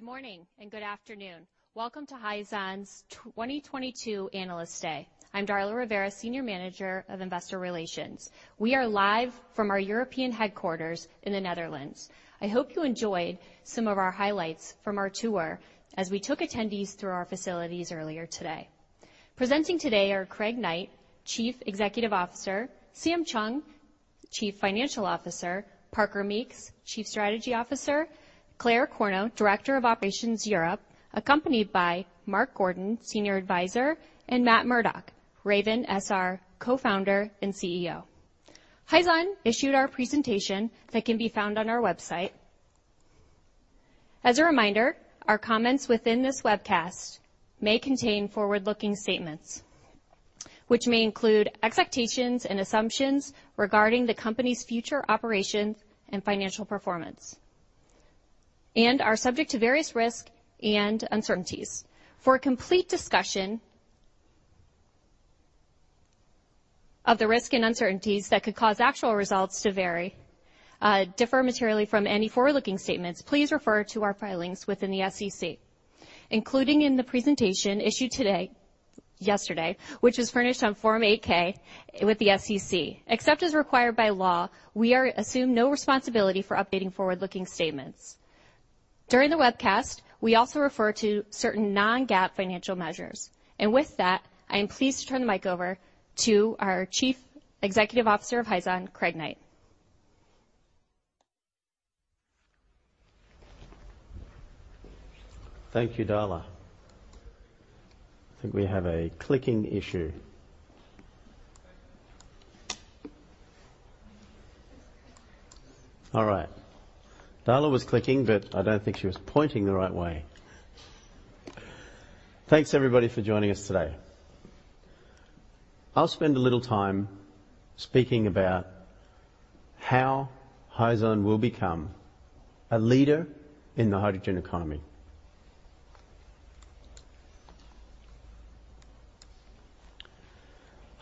Good morning and good afternoon. Welcome to Hyzon's 2022 Analyst Day. I'm Darla Rivera, Senior Manager of Investor Relations. We are live from our European headquarters in the Netherlands. I hope you enjoyed some of our highlights from our tour as we took attendees through our facilities earlier today. Presenting today are Craig Knight, Chief Executive Officer, Sam Chong, Chief Financial Officer, Parker Meeks, Chief Strategy Officer, Claire Corno, Director of Operations, Europe, accompanied by Mark Gordon, Senior Advisor, and Matt Murdock, Raven SR Co-founder and CEO. Hyzon issued our presentation that can be found on our website. As a reminder, our comments within this webcast may contain forward-looking statements, which may include expectations and assumptions regarding the company's future operations and financial performance, and are subject to various risks and uncertainties. For a complete discussion of the risks and uncertainties that could cause actual results to vary, differ materially from any forward-looking statements, please refer to our filings with the SEC, including in the presentation issued yesterday, which was furnished on Form 8-K with the SEC. Except as required by law, we assume no responsibility for updating forward-looking statements. During the webcast, we also refer to certain non-GAAP financial measures. With that, I am pleased to turn the mic over to our Chief Executive Officer of Hyzon, Craig Knight. Thank you, Darla. I think we have a clicking issue. All right. Darla was clicking, but I don't think she was pointing the right way. Thanks everybody for joining us today. I'll spend a little time speaking about how Hyzon will become a leader in the hydrogen economy.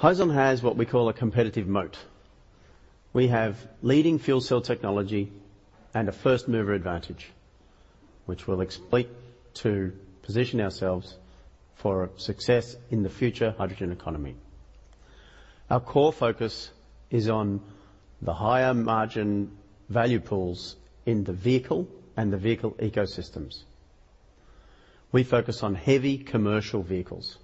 Hyzon has what we call a competitive moat. We have leading fuel cell technology and a first-mover advantage, which we'll exploit to position ourselves for success in the future hydrogen economy. Our core focus is on the higher margin value pools in the vehicle and the vehicle ecosystems. We focus on heavy commercial vehicles.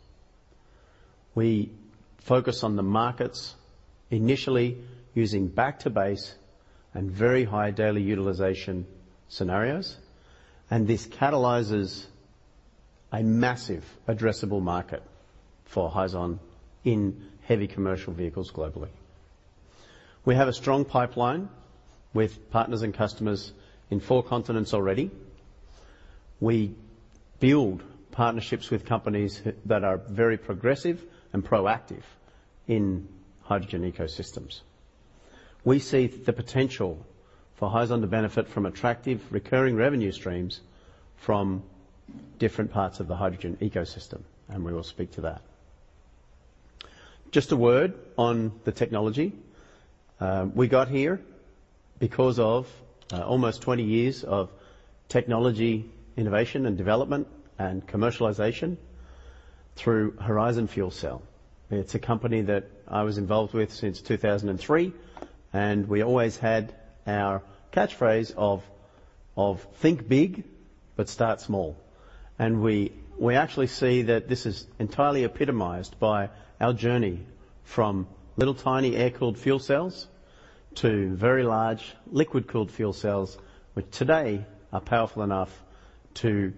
We focus on the markets initially using back-to-base and very high daily utilization scenarios, and this catalyzes a massive addressable market for Hyzon in heavy commercial vehicles globally. We have a strong pipeline with partners and customers in four continents already. We build partnerships with companies that are very progressive and proactive in hydrogen ecosystems. We see the potential for Hyzon to benefit from attractive recurring revenue streams from different parts of the hydrogen ecosystem, and we will speak to that. Just a word on the technology. We got here because of almost 20 years of technology innovation and development and commercialization through Horizon Fuel Cell Technologies. It's a company that I was involved with since 2003, and we always had our catchphrase of "Think big, but start small." We actually see that this is entirely epitomized by our journey from little tiny air-cooled fuel cells to very large liquid-cooled fuel cells, which today are powerful enough to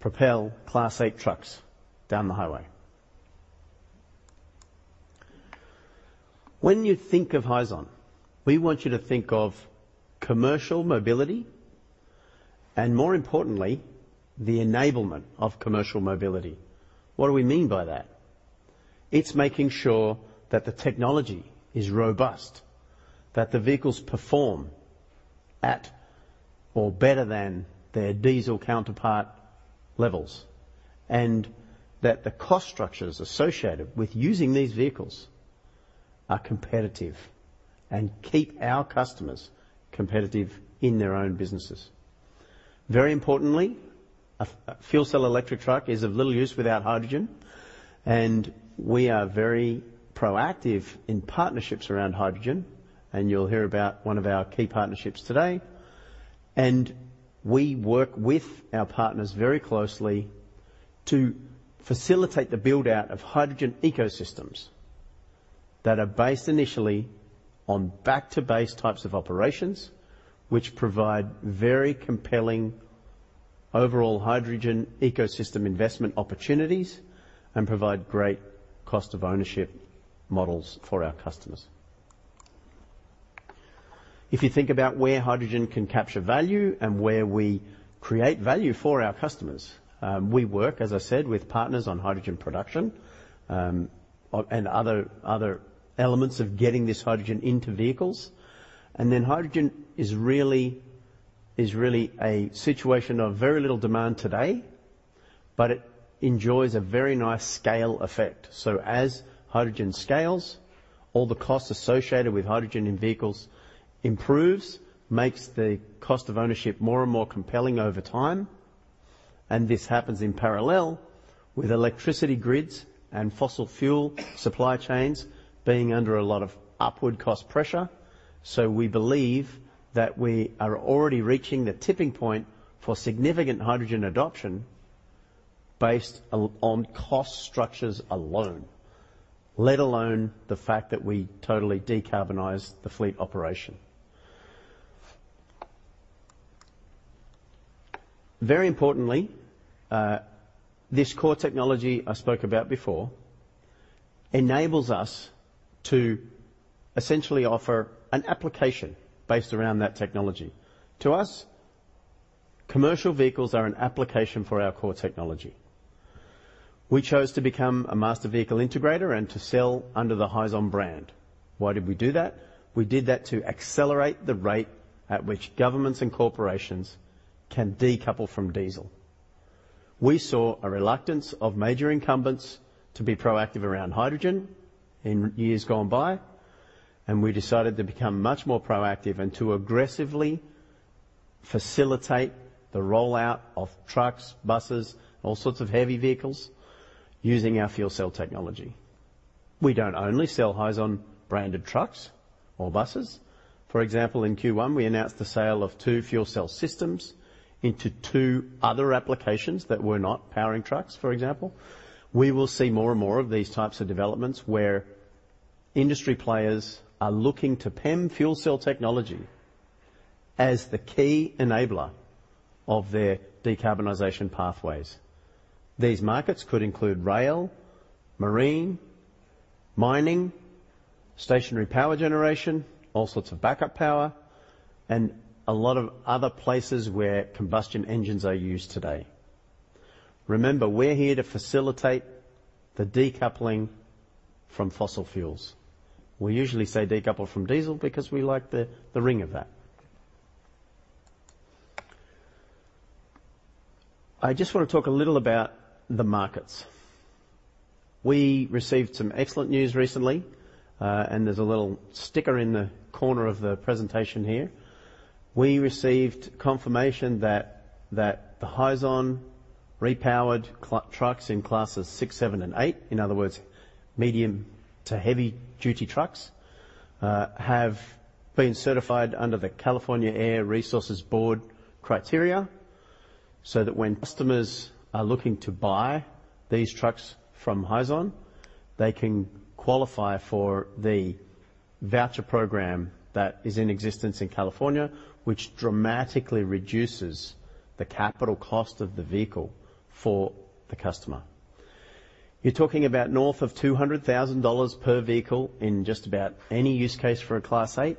propel Class eight trucks down the highway. When you think of Hyzon, we want you to think of commercial mobility and, more importantly, the enablement of commercial mobility. What do we mean by that? It's making sure that the technology is robust, that the vehicles perform at or better than their diesel counterpart levels, and that the cost structures associated with using these vehicles are competitive and keep our customers competitive in their own businesses. Very importantly, a fuel cell electric truck is of little use without hydrogen, and we are very proactive in partnerships around hydrogen, and you'll hear about one of our key partnerships today. We work with our partners very closely to facilitate the build-out of hydrogen ecosystems that are based initially on back-to-base types of operations, which provide very compelling overall hydrogen ecosystem investment opportunities and provide great cost of ownership models for our customers. If you think about where hydrogen can capture value and where we create value for our customers, we work, as I said, with partners on hydrogen production, and other elements of getting this hydrogen into vehicles. Hydrogen is really a situation of very little demand today. It enjoys a very nice scale effect. As hydrogen scales, all the costs associated with hydrogen in vehicles improves, makes the cost of ownership more and more compelling over time, and this happens in parallel with electricity grids and fossil fuel supply chains being under a lot of upward cost pressure. We believe that we are already reaching the tipping point for significant hydrogen adoption based on cost structures alone, let alone the fact that we totally decarbonize the fleet operation. Very importantly, this core technology I spoke about before enables us to essentially offer an application based around that technology. To us, commercial vehicles are an application for our core technology. We chose to become a master vehicle integrator and to sell under the Hyzon brand. Why did we do that? We did that to accelerate the rate at which governments and corporations can decouple from diesel. We saw a reluctance of major incumbents to be proactive around hydrogen in years gone by, and we decided to become much more proactive and to aggressively facilitate the rollout of trucks, buses, all sorts of heavy vehicles using our fuel cell technology. We don't only sell Hyzon-branded trucks or buses. For example, in Q1, we announced the sale of two fuel cell systems into two other applications that were not powering trucks, for example. We will see more and more of these types of developments where industry players are looking to PEM fuel cell technology as the key enabler of their decarbonization pathways. These markets could include rail, marine, mining, stationary power generation, all sorts of backup power, and a lot of other places where combustion engines are used today. Remember, we're here to facilitate the decoupling from fossil fuels. We usually say decouple from diesel because we like the ring of that. I just wanna talk a little about the markets. We received some excellent news recently, and there's a little sticker in the corner of the presentation here. We received confirmation that the Hyzon repowered trucks in classes six, seven, and eight, in other words, medium to heavy-duty trucks, have been certified under the California Air Resources Board criteria, so that when customers are looking to buy these trucks from Hyzon, they can qualify for the voucher program that is in existence in California, which dramatically reduces the capital cost of the vehicle for the customer. You're talking about north of $200,000 per vehicle in just about any use case for a Class eight,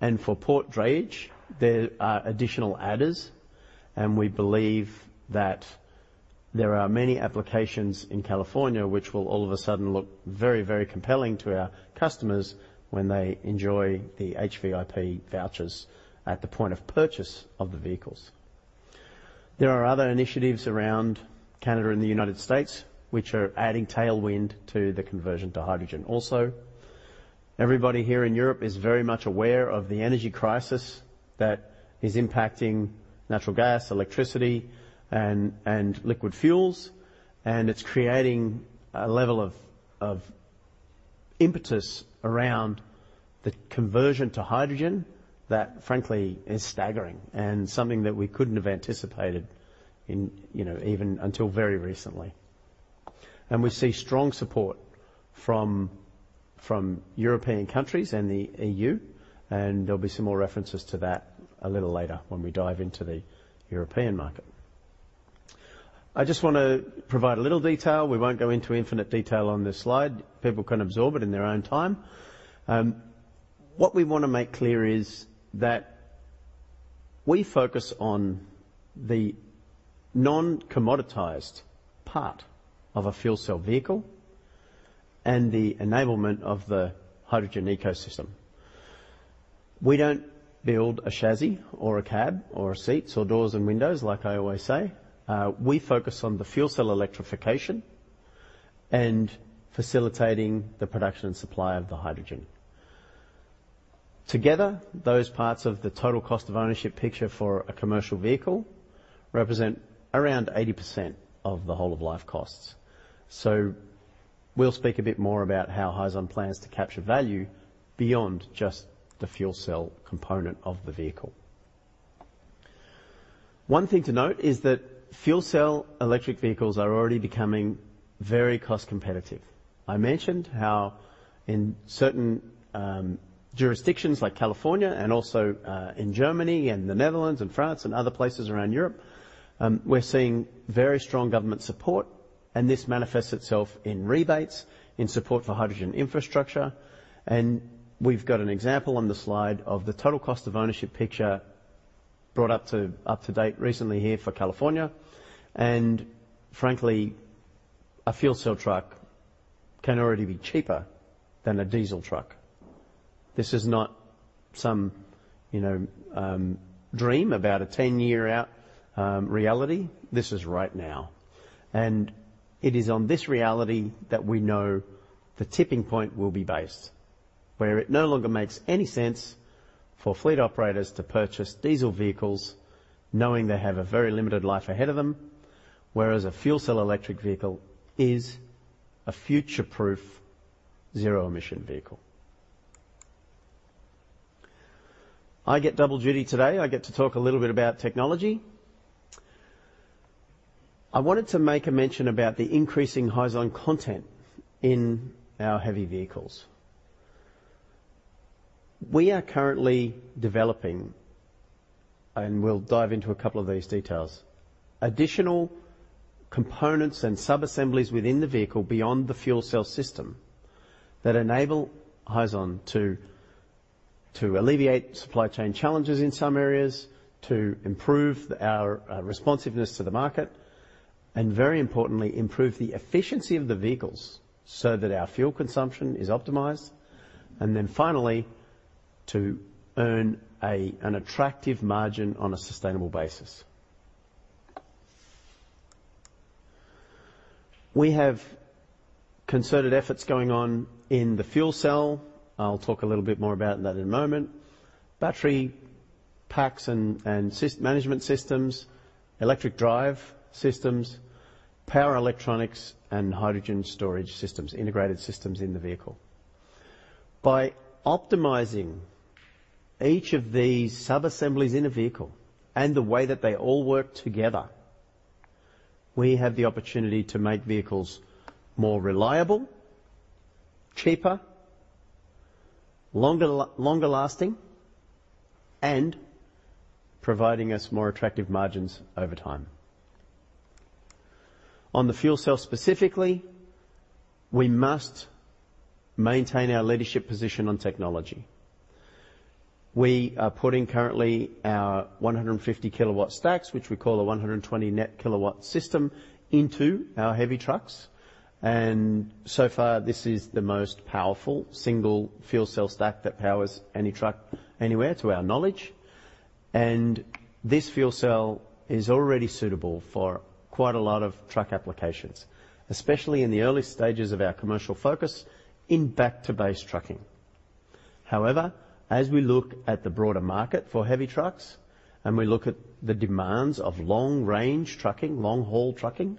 and for port drayage, there are additional adders, and we believe that there are many applications in California which will all of a sudden look very, very compelling to our customers when they enjoy the HVIP vouchers at the point of purchase of the vehicles. There are other initiatives around Canada and the United States which are adding tailwind to the conversion to hydrogen. Also, everybody here in Europe is very much aware of the energy crisis that is impacting natural gas, electricity, and liquid fuels, and it's creating a level of impetus around the conversion to hydrogen that frankly is staggering and something that we couldn't have anticipated in, you know, even until very recently. We see strong support from European countries and the E.U., and there'll be some more references to that a little later when we dive into the European market. I just wanna provide a little detail. We won't go into infinite detail on this slide. People can absorb it in their own time. What we wanna make clear is that we focus on the non-commoditized part of a fuel cell vehicle and the enablement of the hydrogen ecosystem. We don't build a chassis or a cab or seats or doors and windows, like I always say. We focus on the fuel cell electrification and facilitating the production and supply of the hydrogen. Together, those parts of the total cost of ownership picture for a commercial vehicle represent around 80% of the whole of life costs. We'll speak a bit more about how Hyzon plans to capture value beyond just the fuel cell component of the vehicle. One thing to note is that fuel cell electric vehicles are already becoming very cost competitive. I mentioned how in certain jurisdictions like California and also in Germany and the Netherlands and France and other places around Europe, we're seeing very strong government support, and this manifests itself in rebates, in support for hydrogen infrastructure, and we've got an example on the slide of the total cost of ownership picture brought up to date recently here for California. Frankly, a fuel cell truck can already be cheaper than a diesel truck. This is not some, you know, dream about a ten-year out reality. This is right now, and it is on this reality that we know the tipping point will be based, where it no longer makes any sense for fleet operators to purchase diesel vehicles knowing they have a very limited life ahead of them, whereas a fuel cell electric vehicle is a future-proof zero emission vehicle. I get double duty today. I get to talk a little bit about technology. I wanted to make a mention about the increasing Hyzon content in our heavy vehicles. We are currently developing, and we'll dive into a couple of these details, additional components and sub-assemblies within the vehicle beyond the fuel cell system that enable Hyzon to alleviate supply chain challenges in some areas, to improve our responsiveness to the market, and very importantly, improve the efficiency of the vehicles so that our fuel consumption is optimized. Finally, to earn an attractive margin on a sustainable basis. We have concerted efforts going on in the fuel cell. I'll talk a little bit more about that in a moment. Battery packs and systems management systems, electric drive systems, power electronics, and hydrogen storage systems, integrated systems in the vehicle. By optimizing each of these sub-assemblies in a vehicle and the way that they all work together, we have the opportunity to make vehicles more reliable, cheaper, longer lasting, and providing us more attractive margins over time. On the fuel cell specifically, we must maintain our leadership position on technology. We are putting currently our 150 kilowatt stacks, which we call a 120 net kilowatt system, into our heavy trucks, and so far this is the most powerful single fuel cell stack that powers any truck anywhere, to our knowledge. This fuel cell is already suitable for quite a lot of truck applications, especially in the early stages of our commercial focus in back to base trucking. However, as we look at the broader market for heavy trucks, and we look at the demands of long range trucking, long haul trucking,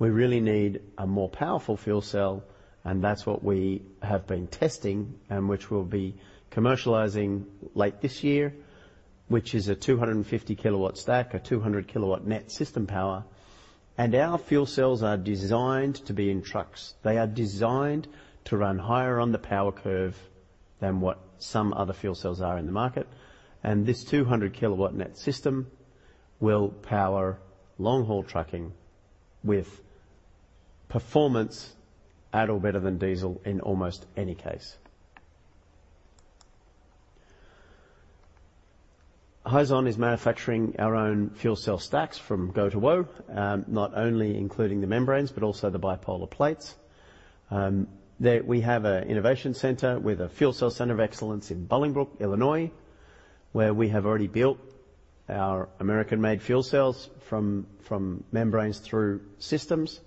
we really need a more powerful fuel cell, and that's what we have been testing and which we'll be commercializing late this year, which is a 250 kW stack or 200 kW net system power. Our fuel cells are designed to be in trucks. They are designed to run higher on the power curve than what some other fuel cells are in the market. This 200 kW net system will power long haul trucking with performance at or better than diesel in almost any case. Hyzon is manufacturing our own fuel cell stacks from go to whoa, not only including the membranes but also the bipolar plates. We have an innovation center with a fuel cell center of excellence in Bolingbrook, Illinois, where we have already built our American-made fuel cells from membranes through systems,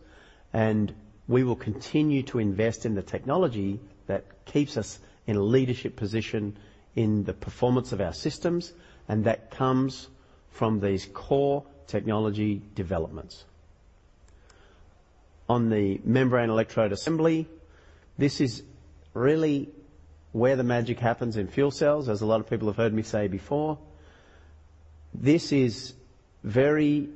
and we will continue to invest in the technology that keeps us in a leadership position in the performance of our systems. That comes from these core technology developments. On the Membrane Electrode Assembly, this is really where the magic happens in fuel cells, as a lot of people have heard me say before. This is very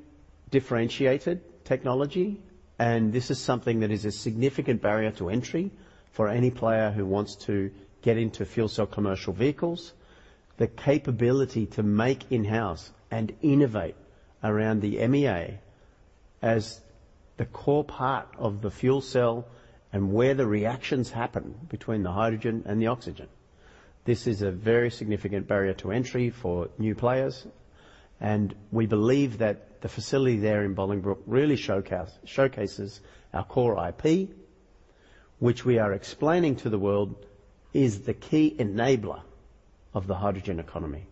differentiated technology, and this is something that is a significant barrier to entry for any player who wants to get into fuel cell commercial vehicles. The capability to make in-house and innovate around the MEA as the core part of the fuel cell and where the reactions happen between the hydrogen and the oxygen. This is a very significant barrier to entry for new players, and we believe that the facility there in Bolingbrook really showcases our core IP, which we are explaining to the world is the key enabler of the hydrogen economy.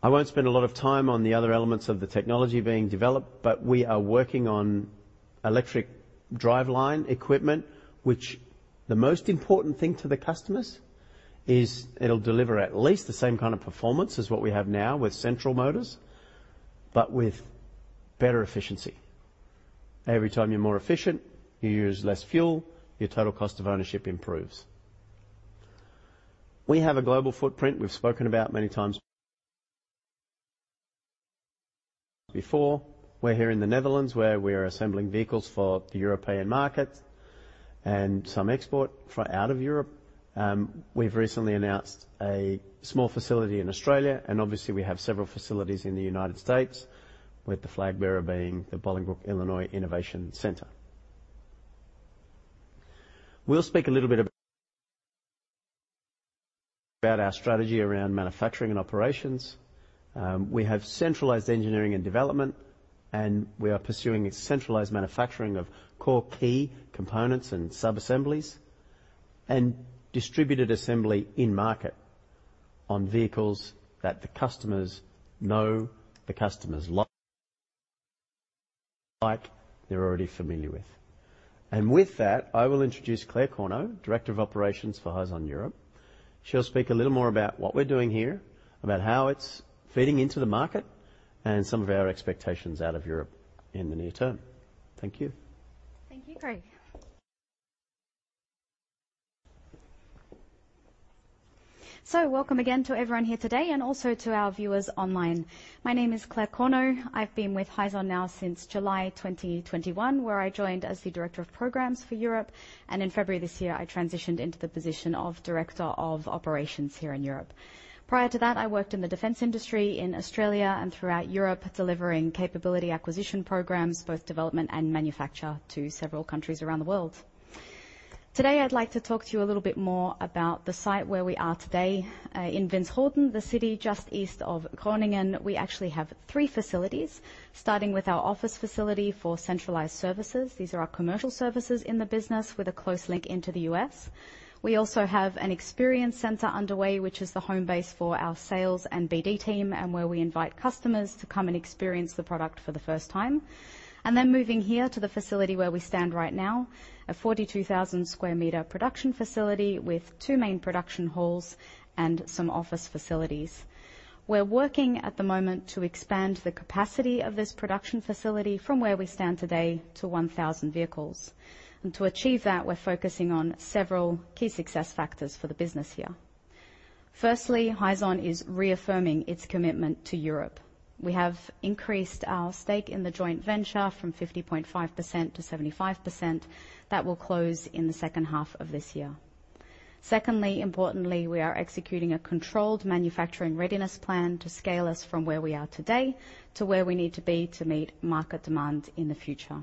I won't spend a lot of time on the other elements of the technology being developed, but we are working on electric driveline equipment, which the most important thing to the customers is it'll deliver at least the same kind of performance as what we have now with central motors, but with better efficiency. Every time you're more efficient, you use less fuel, your total cost of ownership improves. We have a global footprint we've spoken about many times before. We're here in the Netherlands, where we are assembling vehicles for the European market and some export for out of Europe. We've recently announced a small facility in Australia, and obviously we have several facilities in the United States, with the flag bearer being the Bolingbrook, Illinois Innovation Center. We'll speak a little bit about our strategy around manufacturing and operations. We have centralized engineering and development, and we are pursuing a centralized manufacturing of core key components and sub-assemblies, and distributed assembly in market on vehicles that the customers know, the customers like, they're already familiar with. With that, I will introduce Claire Corno, Director of Operations for Hyzon Europe. She'll speak a little more about what we're doing here, about how it's fitting into the market, and some of our expectations out of Europe in the near term. Thank you. Thank you, Craig. Welcome again to everyone here today and also to our viewers online. My name is Claire Corno. I've been with Hyzon now since July 2021, where I joined as the Director of Programs for Europe, and in February this year, I transitioned into the position of Director of Operations here in Europe. Prior to that, I worked in the defense industry in Australia and throughout Europe, delivering capability acquisition programs, both development and manufacture, to several countries around the world. Today, I'd like to talk to you a little bit more about the site where we are today. In Winschoten, the city just east of Groningen, we actually have three facilities, starting with our office facility for centralized services. These are our commercial services in the business with a close link into the U.S. We also have an experience center underway, which is the home base for our sales and BD team, and where we invite customers to come and experience the product for the first time. Then moving here to the facility where we stand right now, a 42,000 square meter production facility with two main production halls and some office facilities. We're working at the moment to expand the capacity of this production facility from where we stand today to 1,000 vehicles. To achieve that, we're focusing on several key success factors for the business here. Firstly, Hyzon is reaffirming its commitment to Europe. We have increased our stake in the joint venture from 50.5% to 75%. That will close in the H2 of this year. Secondly, importantly, we are executing a controlled manufacturing readiness plan to scale us from where we are today to where we need to be to meet market demand in the future.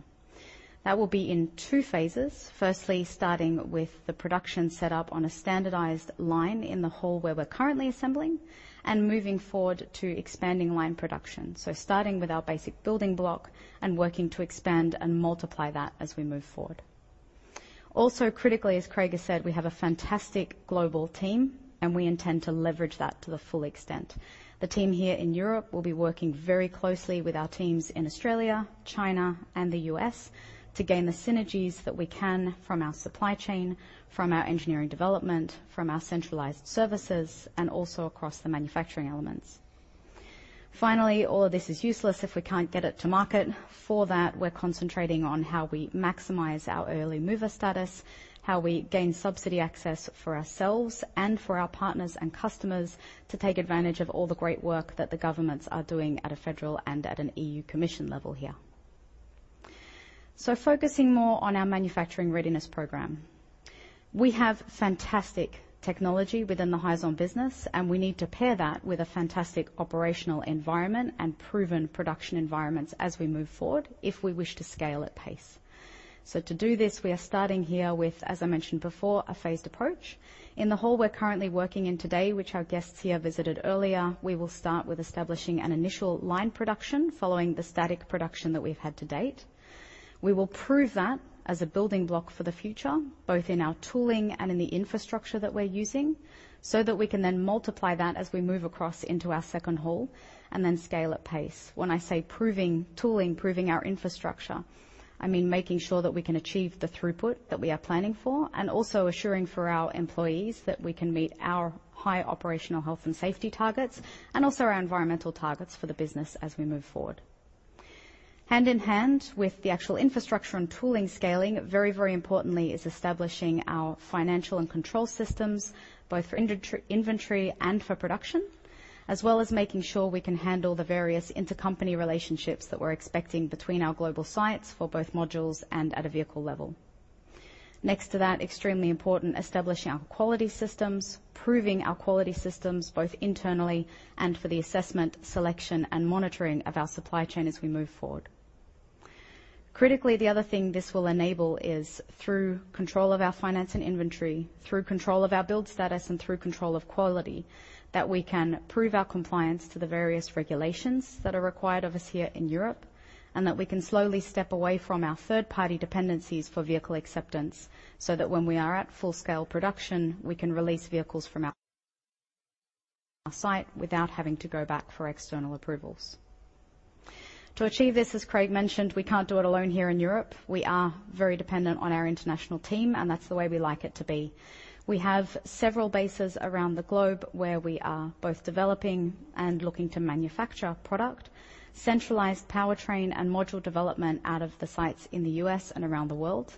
That will be in two phases. Firstly, starting with the production set up on a standardized line in the hall where we're currently assembling and moving forward to expanding line production. Starting with our basic building block and working to expand and multiply that as we move forward. Also, critically, as Craig has said, we have a fantastic global team, and we intend to leverage that to the full extent. The team here in Europe will be working very closely with our teams in Australia, China, and the U.S. to gain the synergies that we can from our supply chain, from our engineering development, from our centralized services, and also across the manufacturing elements. Finally, all of this is useless if we can't get it to market. For that, we're concentrating on how we maximize our early mover status, how we gain subsidy access for ourselves and for our partners and customers to take advantage of all the great work that the governments are doing at a federal and at an E.U. Commission level here. Focusing more on our manufacturing readiness program. We have fantastic technology within the Hyzon business, and we need to pair that with a fantastic operational environment and proven production environments as we move forward if we wish to scale at pace. To do this, we are starting here with, as I mentioned before, a phased approach. In the hall we're currently working in today, which our guests here visited earlier, we will start with establishing an initial line production following the static production that we've had to date. We will prove that as a building block for the future, both in our tooling and in the infrastructure that we're using, so that we can then multiply that as we move across into our second hall and then scale at pace. When I say proving tooling, proving our infrastructure, I mean making sure that we can achieve the throughput that we are planning for and also assuring for our employees that we can meet our high operational health and safety targets and also our environmental targets for the business as we move forward. Hand in hand with the actual infrastructure and tooling scaling, very, very importantly is establishing our financial and control systems both for inventory and for production, as well as making sure we can handle the various intercompany relationships that we're expecting between our global sites for both modules and at a vehicle level. Next to that, extremely important, establishing our quality systems, proving our quality systems both internally and for the assessment, selection, and monitoring of our supply chain as we move forward. Critically, the other thing this will enable is through control of our finance and inventory, through control of our build status, and through control of quality, that we can prove our compliance to the various regulations that are required of us here in Europe, and that we can slowly step away from our third-party dependencies for vehicle acceptance, so that when we are at full scale production, we can release vehicles from our site without having to go back for external approvals. To achieve this, as Craig mentioned, we can't do it alone here in Europe. We are very dependent on our international team, and that's the way we like it to be. We have several bases around the globe where we are both developing and looking to manufacture our product, centralized powertrain and module development out of the sites in the U.S. and around the world,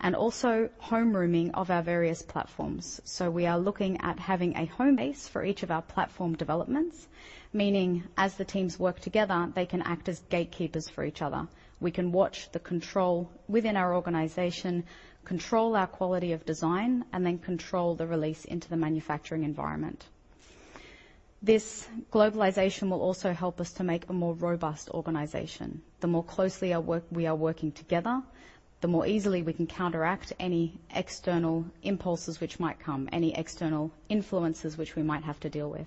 and also homerooming of our various platforms. We are looking at having a home base for each of our platform developments, meaning as the teams work together, they can act as gatekeepers for each other. We can watch the control within our organization, control our quality of design, and then control the release into the manufacturing environment. This globalization will also help us to make a more robust organization. The more closely our work we are working together, the more easily we can counteract any external impulses which might come, any external influences which we might have to deal with.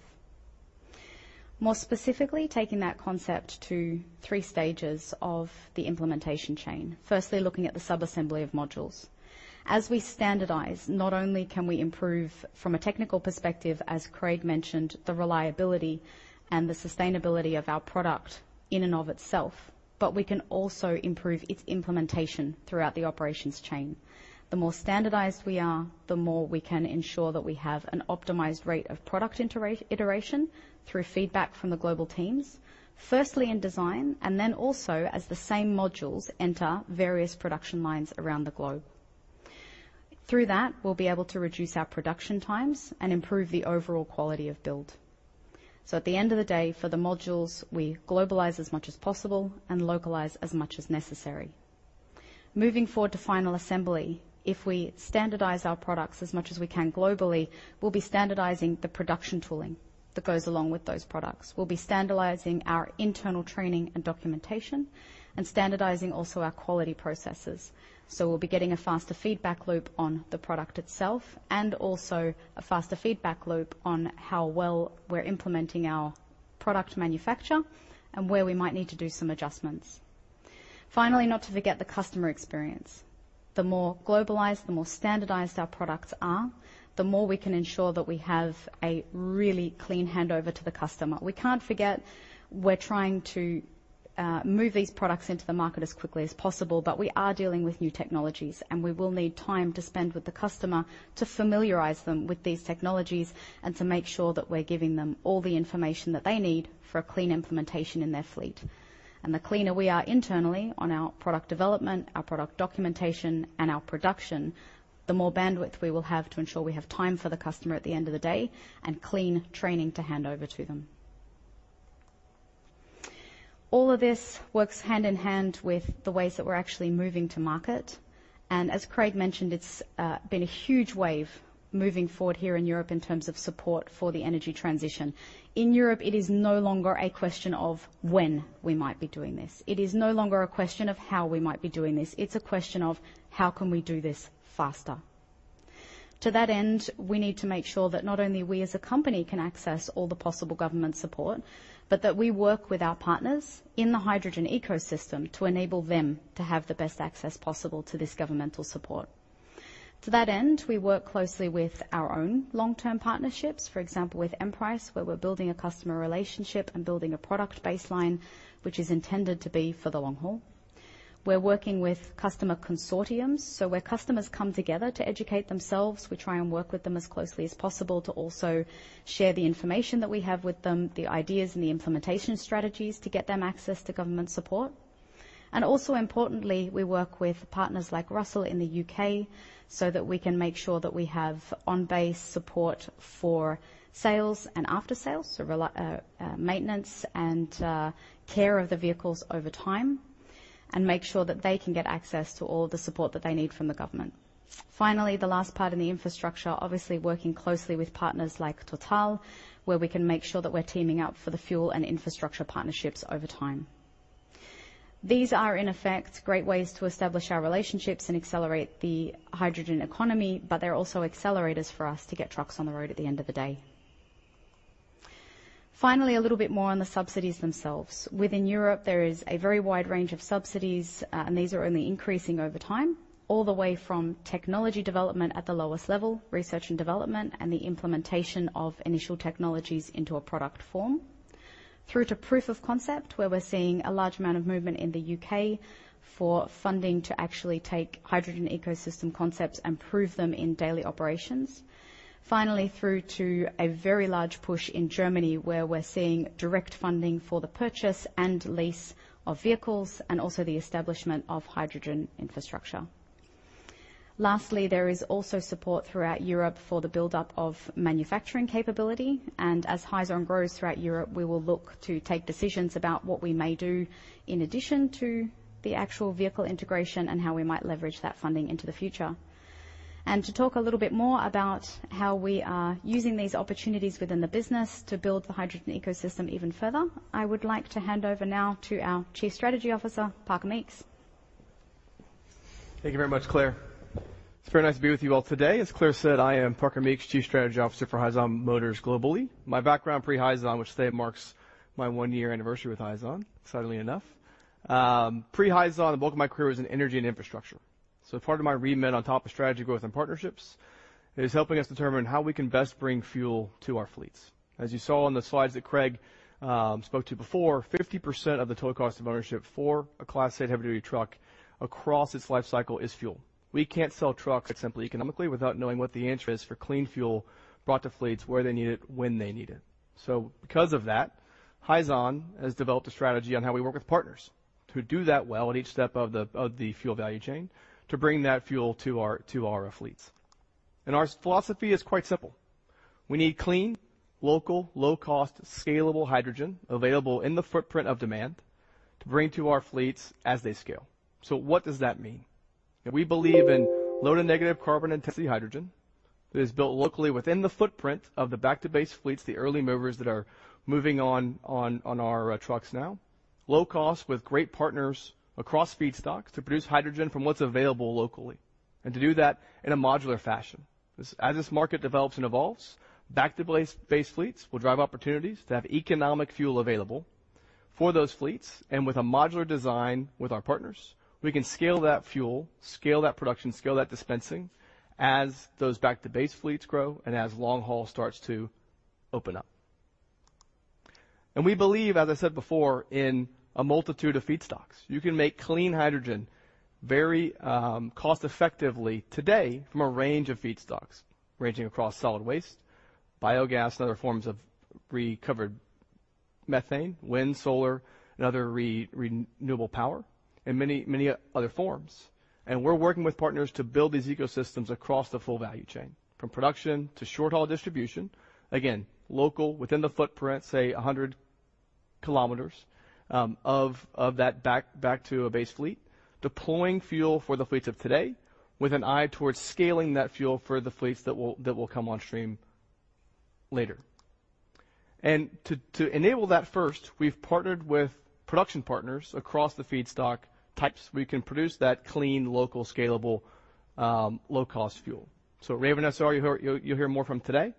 More specifically, taking that concept to three stages of the implementation chain. Firstly, looking at the sub-assembly of modules. As we standardize, not only can we improve from a technical perspective, as Craig mentioned, the reliability and the sustainability of our product in and of itself, but we can also improve its implementation throughout the operations chain. The more standardized we are, the more we can ensure that we have an optimized rate of product iteration through feedback from the global teams, firstly in design and then also as the same modules enter various production lines around the globe. Through that, we'll be able to reduce our production times and improve the overall quality of build. At the end of the day, for the modules, we globalize as much as possible and localize as much as necessary. Moving forward to final assembly. If we standardize our products as much as we can globally, we'll be standardizing the production tooling that goes along with those products. We'll be standardizing our internal training and documentation and standardizing also our quality processes. We'll be getting a faster feedback loop on the product itself and also a faster feedback loop on how well we're implementing our product manufacture and where we might need to do some adjustments. Finally, not to forget the customer experience. The more globalized, the more standardized our products are, the more we can ensure that we have a really clean handover to the customer. We can't forget we're trying to move these products into the market as quickly as possible, but we are dealing with new technologies, and we will need time to spend with the customer to familiarize them with these technologies and to make sure that we're giving them all the information that they need for a clean implementation in their fleet. The cleaner we are internally on our product development, our product documentation, and our production, the more bandwidth we will have to ensure we have time for the customer at the end of the day and clean training to hand over to them. All of this works hand in hand with the ways that we're actually moving to market. As Craig mentioned, it's been a huge wave moving forward here in Europe in terms of support for the energy transition. In Europe, it is no longer a question of when we might be doing this. It is no longer a question of how we might be doing this. It's a question of how can we do this faster. To that end, we need to make sure that not only we as a company can access all the possible government support, but that we work with our partners in the hydrogen ecosystem to enable them to have the best access possible to this governmental support. To that end, we work closely with our own long-term partnerships. For example, with MPREIS, where we're building a customer relationship and building a product baseline, which is intended to be for the long haul. We're working with customer consortiums. Where customers come together to educate themselves, we try and work with them as closely as possible to also share the information that we have with them, the ideas and the implementation strategies to get them access to government support. Also importantly, we work with partners like Russell in the U.K. so that we can make sure that we have on-base support for sales and after-sales, so maintenance and care of the vehicles over time, and make sure that they can get access to all the support that they need from the government. Finally, the last part in the infrastructure, obviously working closely with partners like TotalEnergies, where we can make sure that we're teaming up for the fuel and infrastructure partnerships over time. These are, in effect, great ways to establish our relationships and accelerate the hydrogen economy, but they're also accelerators for us to get trucks on the road at the end of the day. Finally, a little bit more on the subsidies themselves. Within Europe, there is a very wide range of subsidies, and these are only increasing over time, all the way from technology development at the lowest level, research and development, and the implementation of initial technologies into a product form, through to proof of concept, where we're seeing a large amount of movement in the U.K. for funding to actually take hydrogen ecosystem concepts and prove them in daily operations. Finally, through to a very large push in Germany, where we're seeing direct funding for the purchase and lease of vehicles and also the establishment of hydrogen infrastructure. Lastly, there is also support throughout Europe for the buildup of manufacturing capability, and as Hyzon grows throughout Europe, we will look to take decisions about what we may do in addition to the actual vehicle integration and how we might leverage that funding into the future. To talk a little bit more about how we are using these opportunities within the business to build the hydrogen ecosystem even further, I would like to hand over now to our Chief Strategy Officer, Parker Meeks. Thank you very much, Claire. It's very nice to be with you all today. As Claire said, I am Parker Meeks, Chief Strategy Officer for Hyzon Motors globally. My background pre-Hyzon, which today marks my one-year anniversary with Hyzon, excitingly enough. Pre-Hyzon, the bulk of my career was in energy and infrastructure. Part of my remit on top of strategy growth and partnerships is helping us determine how we can best bring fuel to our fleets. As you saw on the slides that Craig spoke to before, 50% of the total cost of ownership for a Class eight heavy-duty truck across its lifecycle is fuel. We can't sell trucks simply economically without knowing what the answer is for clean fuel brought to fleets where they need it, when they need it. Because of that, Hyzon has developed a strategy on how we work with partners to do that well at each step of the fuel value chain to bring that fuel to our fleets. Our philosophy is quite simple. We need clean, local, low-cost, scalable hydrogen available in the footprint of demand to bring to our fleets as they scale. What does that mean? We believe in low to negative carbon intensity hydrogen that is built locally within the footprint of the back-to-base fleets, the early movers that are moving on our trucks now. Low cost with great partners across feedstocks to produce hydrogen from what's available locally, and to do that in a modular fashion. As this market develops and evolves, back-to-base fleets will drive opportunities to have economic fuel available for those fleets. With a modular design with our partners, we can scale that fuel, scale that production, scale that dispensing as those back-to-base fleets grow and as long haul starts to open up. We believe, as I said before, in a multitude of feedstocks. You can make clean hydrogen very cost effectively today from a range of feedstocks, ranging across solid waste, biogas, and other forms of recovered methane, wind, solar, and other renewable power, in many other forms. We're working with partners to build these ecosystems across the full value chain, from production to short-haul distribution. Again, local within the footprint, say 100 km of that back-to-base fleet. Deploying fuel for the fleets of today with an eye towards scaling that fuel for the fleets that will come on stream later. To enable that first, we've partnered with production partners across the feedstock types. We can produce that clean, local, scalable, low-cost fuel. Raven SR you'll hear more from today.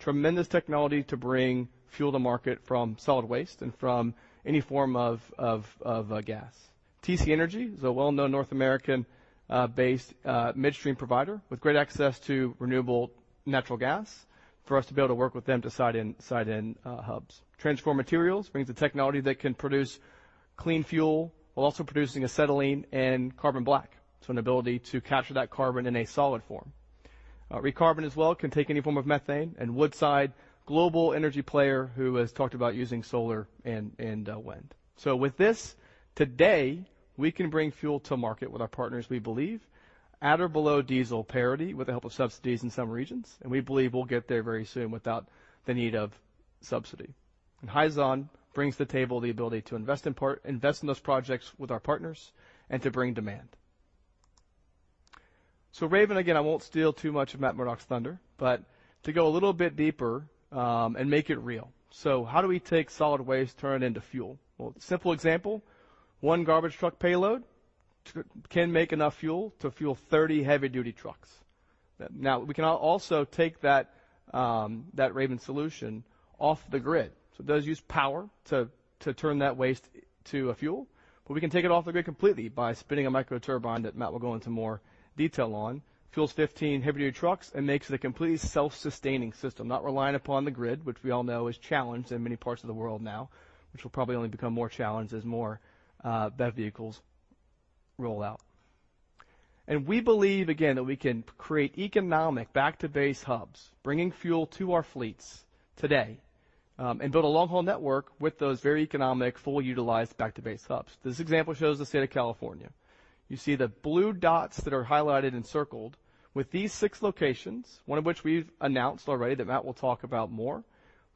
Tremendous technology to bring fuel to market from solid waste and from any form of gas. TC Energy is a well-known North American based midstream provider with great access to renewable natural gas for us to be able to work with them to site in hubs. Transform Materials brings the technology that can produce clean fuel while also producing acetylene and carbon black, so an ability to capture that carbon in a solid form. ReCarbon as well can take any form of methane. Woodside, global energy player who has talked about using solar and wind. With this, today, we can bring fuel to market with our partners, we believe, at or below diesel parity with the help of subsidies in some regions, and we believe we'll get there very soon without the need of subsidy. Hyzon brings to the table the ability to invest in those projects with our partners and to bring demand. Raven, again, I won't steal too much of Matt Murdock's thunder, but to go a little bit deeper, and make it real. How do we take solid waste, turn it into fuel? Well, simple example, one garbage truck payload can make enough fuel to fuel 30 heavy-duty trucks. Now, we can also take that Raven solution off the grid. It does use power to turn that waste to a fuel, but we can take it off the grid completely by spinning a micro turbine that Matt will go into more detail on. Fuels 15 heavy-duty trucks and makes it a completely self-sustaining system, not reliant upon the grid, which we all know is challenged in many parts of the world now, which will probably only become more challenged as more BEV vehicles roll out. We believe, again, that we can create economic back-to-base hubs, bringing fuel to our fleets today, and build a long-haul network with those very economic, fully utilized back-to-base hubs. This example shows the state of California. You see the blue dots that are highlighted and circled. With these six locations, one of which we've announced already that Matt will talk about more.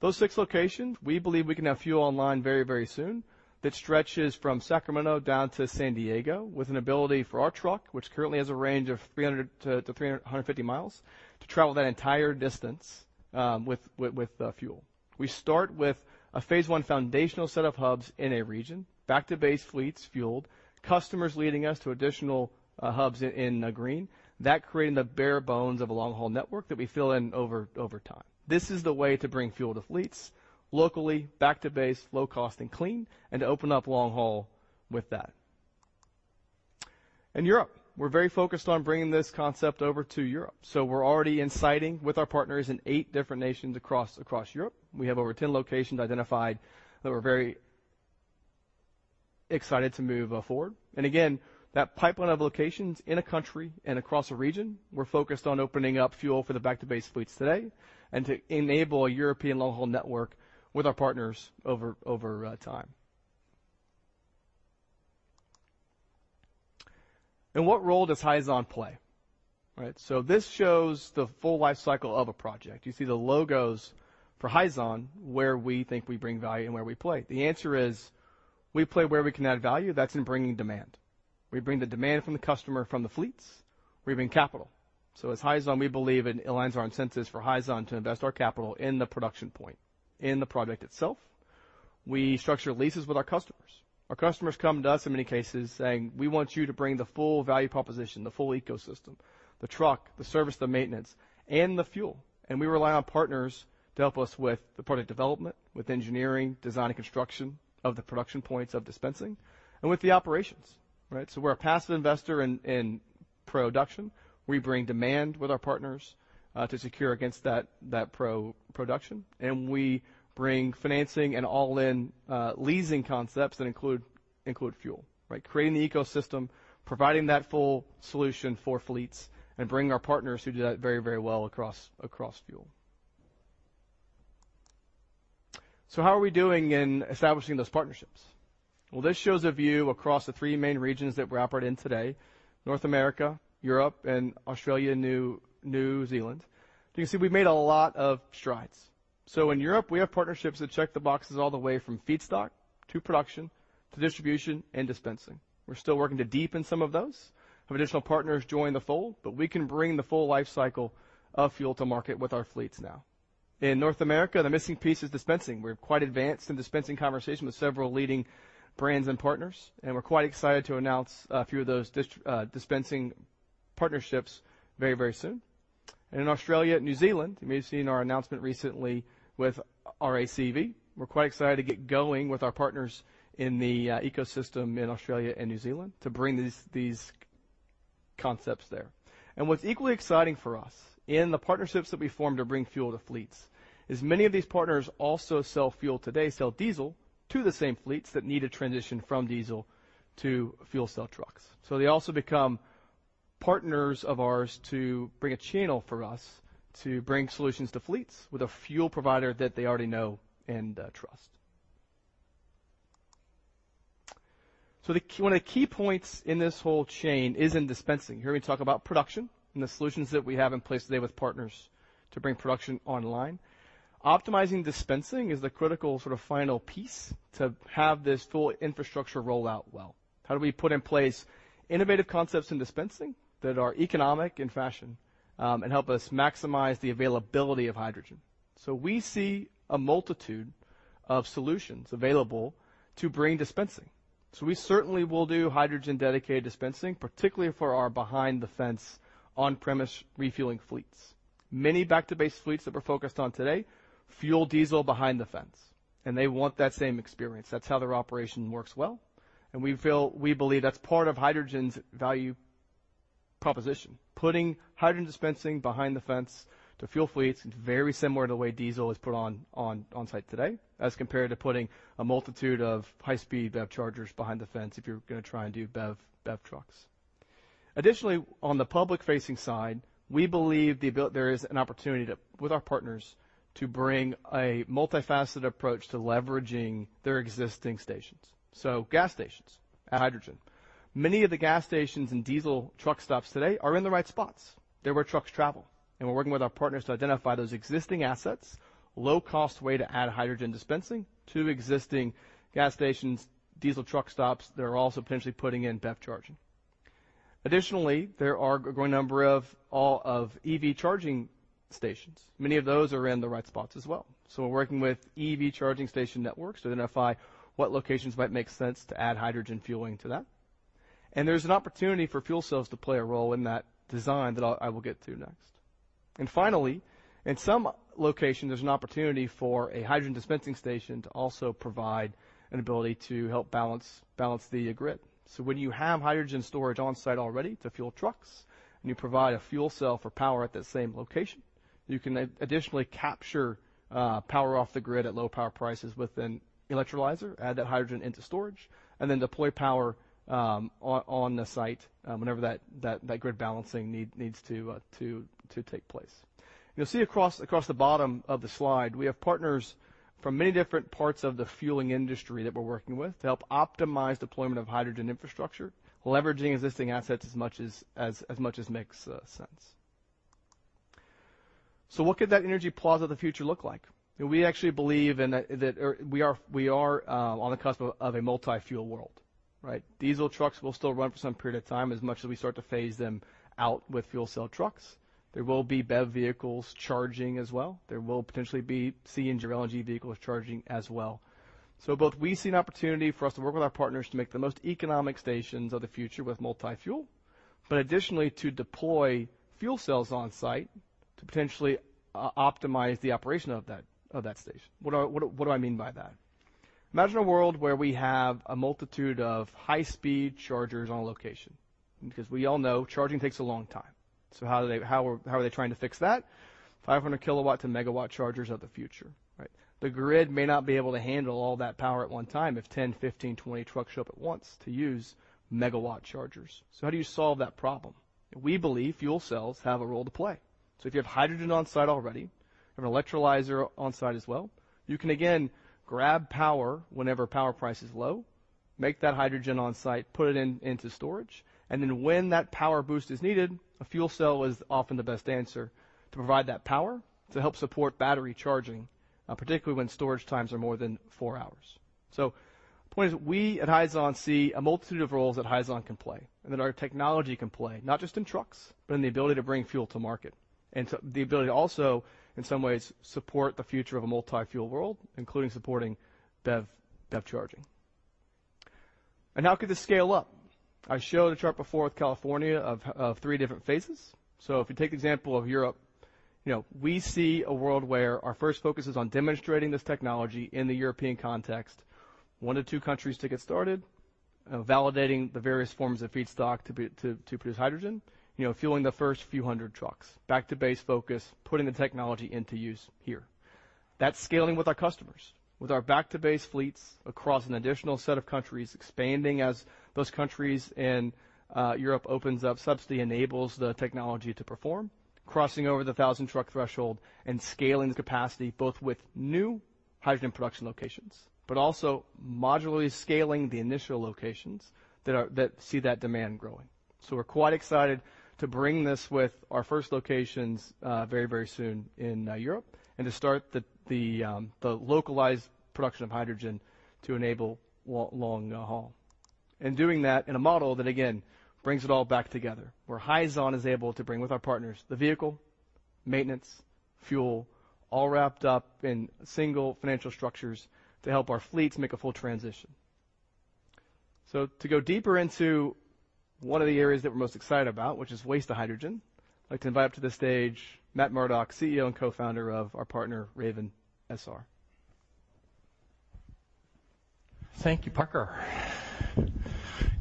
Those six locations, we believe we can have fuel online very, very soon that stretches from Sacramento down to San Diego with an ability for our truck, which currently has a range of 300-350 miles, to travel that entire distance with fuel. We start with a phase I foundational set of hubs in a region. Back-to-base fleets fueled. Customers leading us to additional hubs in green. That creating the bare bones of a long-haul network that we fill in over time. This is the way to bring fuel to fleets locally, back to base, low cost, and clean, and to open up long haul with that. In Europe, we're very focused on bringing this concept over to Europe, so we're already in siting with our partners in eight different nations across Europe. We have over 10 locations identified that we're very excited to move forward. Again, that pipeline of locations in a country and across a region, we're focused on opening up fuel for the back-to-base fleets today and to enable a European long-haul network with our partners over time. What role does Hyzon play? Right. This shows the full life cycle of a project. You see the logos for Hyzon, where we think we bring value and where we play. The answer is we play where we can add value. That's in bringing demand. We bring the demand from the customer, from the fleets. We bring capital. As Hyzon, we believe it aligns our incentives for Hyzon to invest our capital in the production point, in the project itself. We structure leases with our customers. Our customers come to us in many cases saying, "We want you to bring the full value proposition, the full ecosystem, the truck, the service, the maintenance, and the fuel." We rely on partners to help us with the product development, with engineering, design, and construction of the production points of dispensing and with the operations. Right? We're a passive investor in production. We bring demand with our partners to secure against that production, and we bring financing and all-in leasing concepts that include fuel. Right? Creating the ecosystem, providing that full solution for fleets, and bringing our partners who do that very well across fuel. How are we doing in establishing those partnerships? Well, this shows a view across the three main regions that we operate in today, North America, Europe, and Australia, New Zealand. You can see we've made a lot of strides. In Europe, we have partnerships that check the boxes all the way from feedstock to production, to distribution and dispensing. We're still working to deepen some of those, have additional partners join the fold, but we can bring the full life cycle of fuel to market with our fleets now. In North America, the missing piece is dispensing. We're quite advanced in dispensing conversation with several leading brands and partners, and we're quite excited to announce a few of those dispensing partnerships very, very soon. In Australia, New Zealand, you may have seen our announcement recently with RACV. We're quite excited to get going with our partners in the ecosystem in Australia and New Zealand to bring these concepts there. What's equally exciting for us in the partnerships that we form to bring fuel to fleets is many of these partners also sell fuel today, sell diesel to the same fleets that need to transition from diesel to fuel cell trucks. They also become partners of ours to bring a channel for us to bring solutions to fleets with a fuel provider that they already know and trust. One of the key points in this whole chain is in dispensing. Here we talk about production and the solutions that we have in place today with partners to bring production online. Optimizing dispensing is the critical sort of final piece to have this full infrastructure roll out well. How do we put in place innovative concepts in dispensing that are economic in fashion, and help us maximize the availability of hydrogen? We see a multitude of solutions available to bring dispensing. We certainly will do hydrogen-dedicated dispensing, particularly for our behind-the-fence, on-premise refueling fleets. Many back-to-base fleets that we're focused on today fuel diesel behind the fence, and they want that same experience. That's how their operation works well, and we believe that's part of hydrogen's value proposition. Putting hydrogen dispensing behind the fence to fuel fleets is very similar to the way diesel is put on-site today as compared to putting a multitude of high-speed BEV chargers behind the fence if you're gonna try and do BEV trucks. Additionally, on the public-facing side, we believe there is an opportunity to, with our partners, to bring a multifaceted approach to leveraging their existing stations. Gas stations add hydrogen. Many of the gas stations and diesel truck stops today are in the right spots. They're where trucks travel, and we're working with our partners to identify those existing assets, low-cost way to add hydrogen dispensing to existing gas stations, diesel truck stops that are also potentially putting in BEV charging. Additionally, there are a growing number of all of EV charging stations. Many of those are in the right spots as well. We're working with EV charging station networks to identify what locations might make sense to add hydrogen fueling to that. There's an opportunity for fuel cells to play a role in that design that I will get to next. Finally, in some locations, there's an opportunity for a hydrogen dispensing station to also provide an ability to help balance the grid. When you have hydrogen storage on-site already to fuel trucks, and you provide a fuel cell for power at that same location, you can additionally capture power off the grid at low power prices with an electrolyzer, add that hydrogen into storage, and then deploy power on the site whenever that grid balancing need needs to take place. You'll see across the bottom of the slide, we have partners from many different parts of the fueling industry that we're working with to help optimize deployment of hydrogen infrastructure, leveraging existing assets as much as makes sense. What could that energy plaza of the future look like? We actually believe that we are on the cusp of a multi-fuel world, right? Diesel trucks will still run for some period of time even as we start to phase them out with fuel cell trucks. There will be BEV vehicles charging as well. There will potentially be CNG internal combustion vehicles charging as well. Both we see an opportunity for us to work with our partners to make the most economic stations of the future with multi-fuel. Additionally, to deploy fuel cells on-site to potentially optimize the operation of that station. What do I mean by that? Imagine a world where we have a multitude of high-speed chargers on a location, because we all know charging takes a long time. How are they trying to fix that? 500-kW to megawatt chargers are the future, right? The grid may not be able to handle all that power at one time if 10, 15, 20 trucks show up at once to use megawatt chargers. How do you solve that problem? We believe fuel cells have a role to play. If you have hydrogen on-site already, you have an electrolyzer on-site as well, you can again grab power whenever power price is low, make that hydrogen on-site, put it in, into storage, and then when that power boost is needed, a fuel cell is often the best answer to provide that power to help support battery charging, particularly when storage times are more than four hours. The point is we at Hyzon see a multitude of roles that Hyzon can play, and that our technology can play, not just in trucks, but in the ability to bring fuel to market, and the ability also in some ways support the future of a multi-fuel world, including supporting BEV charging. How could this scale up? I showed a chart before with California of three different phases. If you take the example of Europe, you know, we see a world where our first focus is on demonstrating this technology in the European context. One to two countries to get started, validating the various forms of feedstock to produce hydrogen. You know, fueling the first few hundred trucks. Back to base focus, putting the technology into use here. That's scaling with our customers, with our back-to-base fleets across an additional set of countries, expanding as those countries in Europe opens up, subsidy enables the technology to perform, crossing over the 1,000-truck threshold and scaling the capacity both with new hydrogen production locations, but also modularly scaling the initial locations that see that demand growing. We're quite excited to bring this with our first locations very, very soon in Europe and to start the localized production of hydrogen to enable long haul. Doing that in a model that, again, brings it all back together, where Hyzon is able to bring with our partners the vehicle, maintenance, fuel, all wrapped up in single financial structures to help our fleets make a full transition. To go deeper into one of the areas that we're most excited about, which is waste to hydrogen, I'd like to invite up to the stage Matt Murdock, CEO and co-founder of our partner, Raven SR. Thank you, Parker.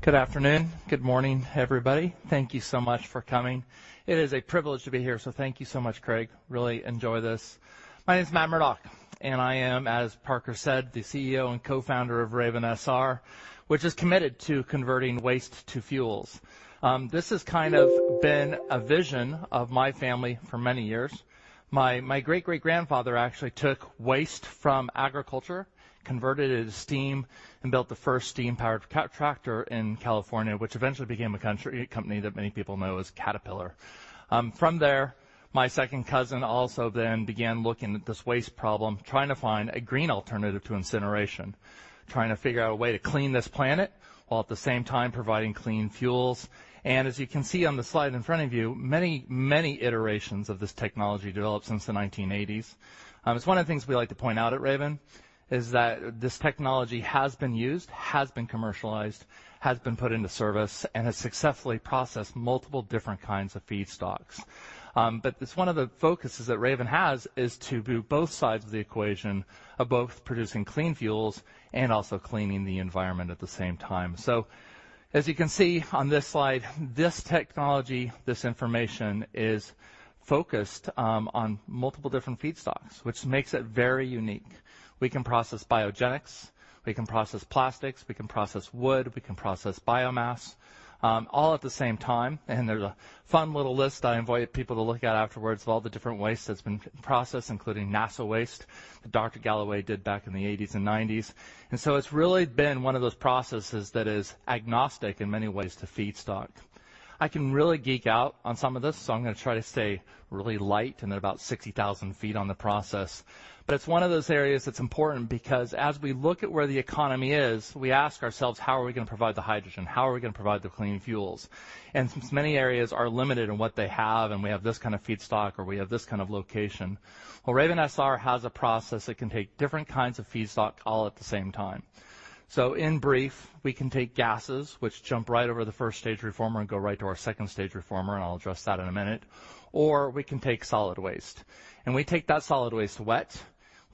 Good afternoon, good morning, everybody. Thank you so much for coming. It is a privilege to be here, so thank you so much, Craig. Really enjoy this. My name is Matt Murdock, and I am, as Parker said, the CEO and co-founder of Raven SR, which is committed to converting waste to fuels. This has kind of been a vision of my family for many years. My great-great-grandfather actually took waste from agriculture, converted it into steam, and built the first steam-powered tractor in California, which eventually became a company that many people know as Caterpillar. From there, my second cousin also then began looking at this waste problem, trying to find a green alternative to incineration, trying to figure out a way to clean this planet while at the same time providing clean fuels. As you can see on the slide in front of you, many iterations of this technology developed since the 1980s. It's one of the things we like to point out at Raven is that this technology has been used, has been commercialized, has been put into service, and has successfully processed multiple different kinds of feedstocks. It's one of the focuses that Raven has is to do both sides of the equation of both producing clean fuels and also cleaning the environment at the same time. As you can see on this slide, this technology, this information is focused on multiple different feedstocks, which makes it very unique. We can process biogenic, we can process plastics, we can process wood, we can process biomass, all at the same time. There's a fun little list I invite people to look at afterwards of all the different waste that's been processed, including NASA waste that Dr. Galloway did back in the eighties and nineties. It's really been one of those processes that is agnostic in many ways to feedstock. I can really geek out on some of this, so I'm gonna try to stay really light and at about 60,000 ft on the process. It's one of those areas that's important because as we look at where the economy is, we ask ourselves, "How are we gonna provide the hydrogen? How are we gonna provide the clean fuels?" Since many areas are limited in what they have, and we have this kind of feedstock or we have this kind of location. Well, Raven SR has a process that can take different kinds of feedstock all at the same time. In brief, we can take gases, which jump right over the first stage reformer and go right to our second stage reformer, and I'll address that in a minute, or we can take solid waste. We take that solid waste wet,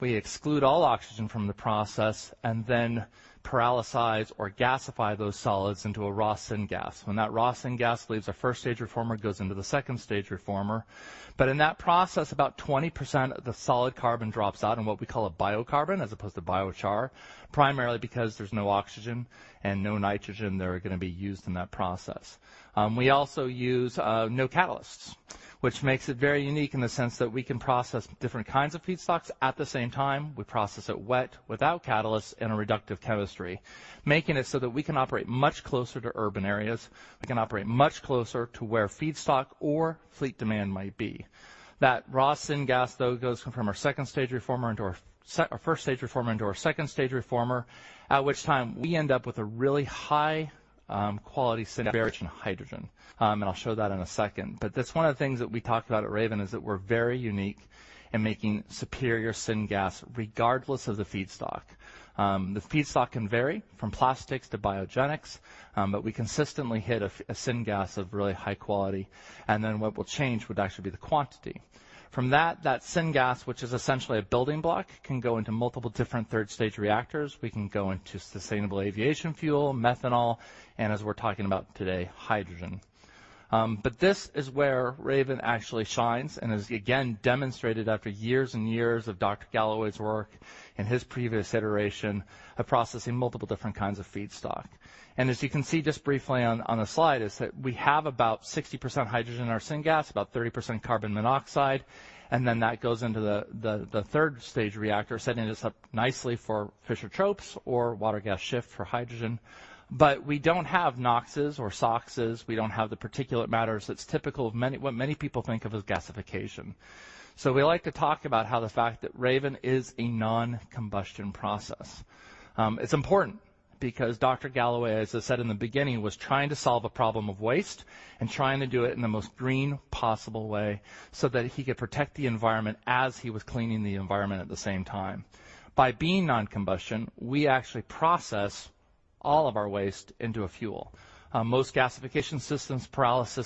we exclude all oxygen from the process, and then pyrolyze or gasify those solids into a raw syngas. When that raw syngas leaves our first stage reformer, it goes into the second stage reformer. In that process, about 20% of the solid carbon drops out in what we call a biocarbon as opposed to biochar, primarily because there's no oxygen and no nitrogen that are gonna be used in that process. We also use no catalysts, which makes it very unique in the sense that we can process different kinds of feedstocks at the same time. We process it wet without catalysts in a reductive chemistry, making it so that we can operate much closer to urban areas. We can operate much closer to where feedstock or fleet demand might be. That raw syngas, though, goes from our second stage reformer into our first stage reformer into our second stage reformer, at which time we end up with a really high quality syngas rich in hydrogen. I'll show that in a second. That's one of the things that we talked about at Raven, is that we're very unique in making superior syngas regardless of the feedstock. The feedstock can vary from plastics to biogenics, but we consistently hit a syngas of really high quality, and then what will change would actually be the quantity. From that syngas, which is essentially a building block, can go into multiple different third-stage reactors. We can go into sustainable aviation fuel, methanol, and as we're talking about today, hydrogen. This is where Raven actually shines and is again demonstrated after years and years of Dr. Galloway's work in his previous iteration of processing multiple different kinds of feedstock. As you can see just briefly on the slide is that we have about 60% hydrogen in our syngas, about 30% carbon monoxide, and then that goes into the third stage reactor, setting this up nicely for Fischer-Tropsch or water gas shift for hydrogen. We don't have NOx or SOx. We don't have the particulate matter that's typical of what many people think of as gasification. We like to talk about how the fact that Raven is a non-combustion process. It's important because Dr. Galloway, as I said in the beginning, was trying to solve a problem of waste and trying to do it in the most green possible way so that he could protect the environment as he was cleaning the environment at the same time. By being non-combustion, we actually process all of our waste into a fuel. Most gasification systems, pyrolysis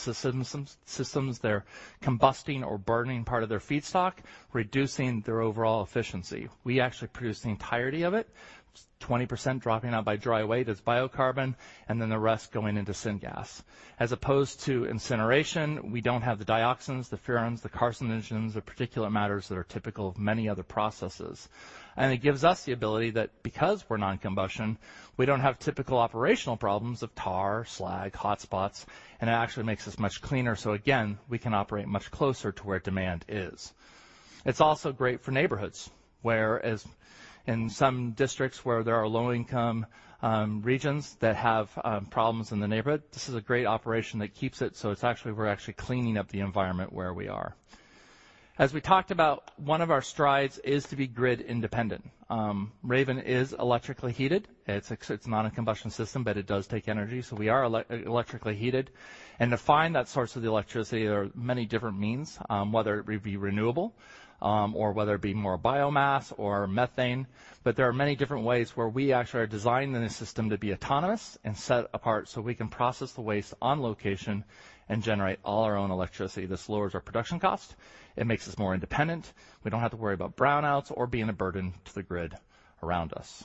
systems, they're combusting or burning part of their feedstock, reducing their overall efficiency. We actually produce the entirety of it, 20% dropping out by dry weight as biocarbon, and then the rest going into syngas. As opposed to incineration, we don't have the dioxins, the furans, the carcinogens, the particulate matters that are typical of many other processes. It gives us the ability that because we're non-combustion, we don't have typical operational problems of tar, slag, hotspots, and it actually makes us much cleaner. Again, we can operate much closer to where demand is. It's also great for neighborhoods, whereas in some districts where there are low-income regions that have problems in the neighborhood, this is a great operation that keeps it, so it's actually we're actually cleaning up the environment where we are. As we talked about, one of our strides is to be grid independent. Raven is electrically heated. It's not a combustion system, but it does take energy, so we are electrically heated. To find that source of the electricity, there are many different means, whether it be renewable, or whether it be more biomass or methane. There are many different ways where we actually are designing the system to be autonomous and set apart, so we can process the waste on location and generate all our own electricity. This lowers our production cost. It makes us more independent. We don't have to worry about brownouts or being a burden to the grid around us.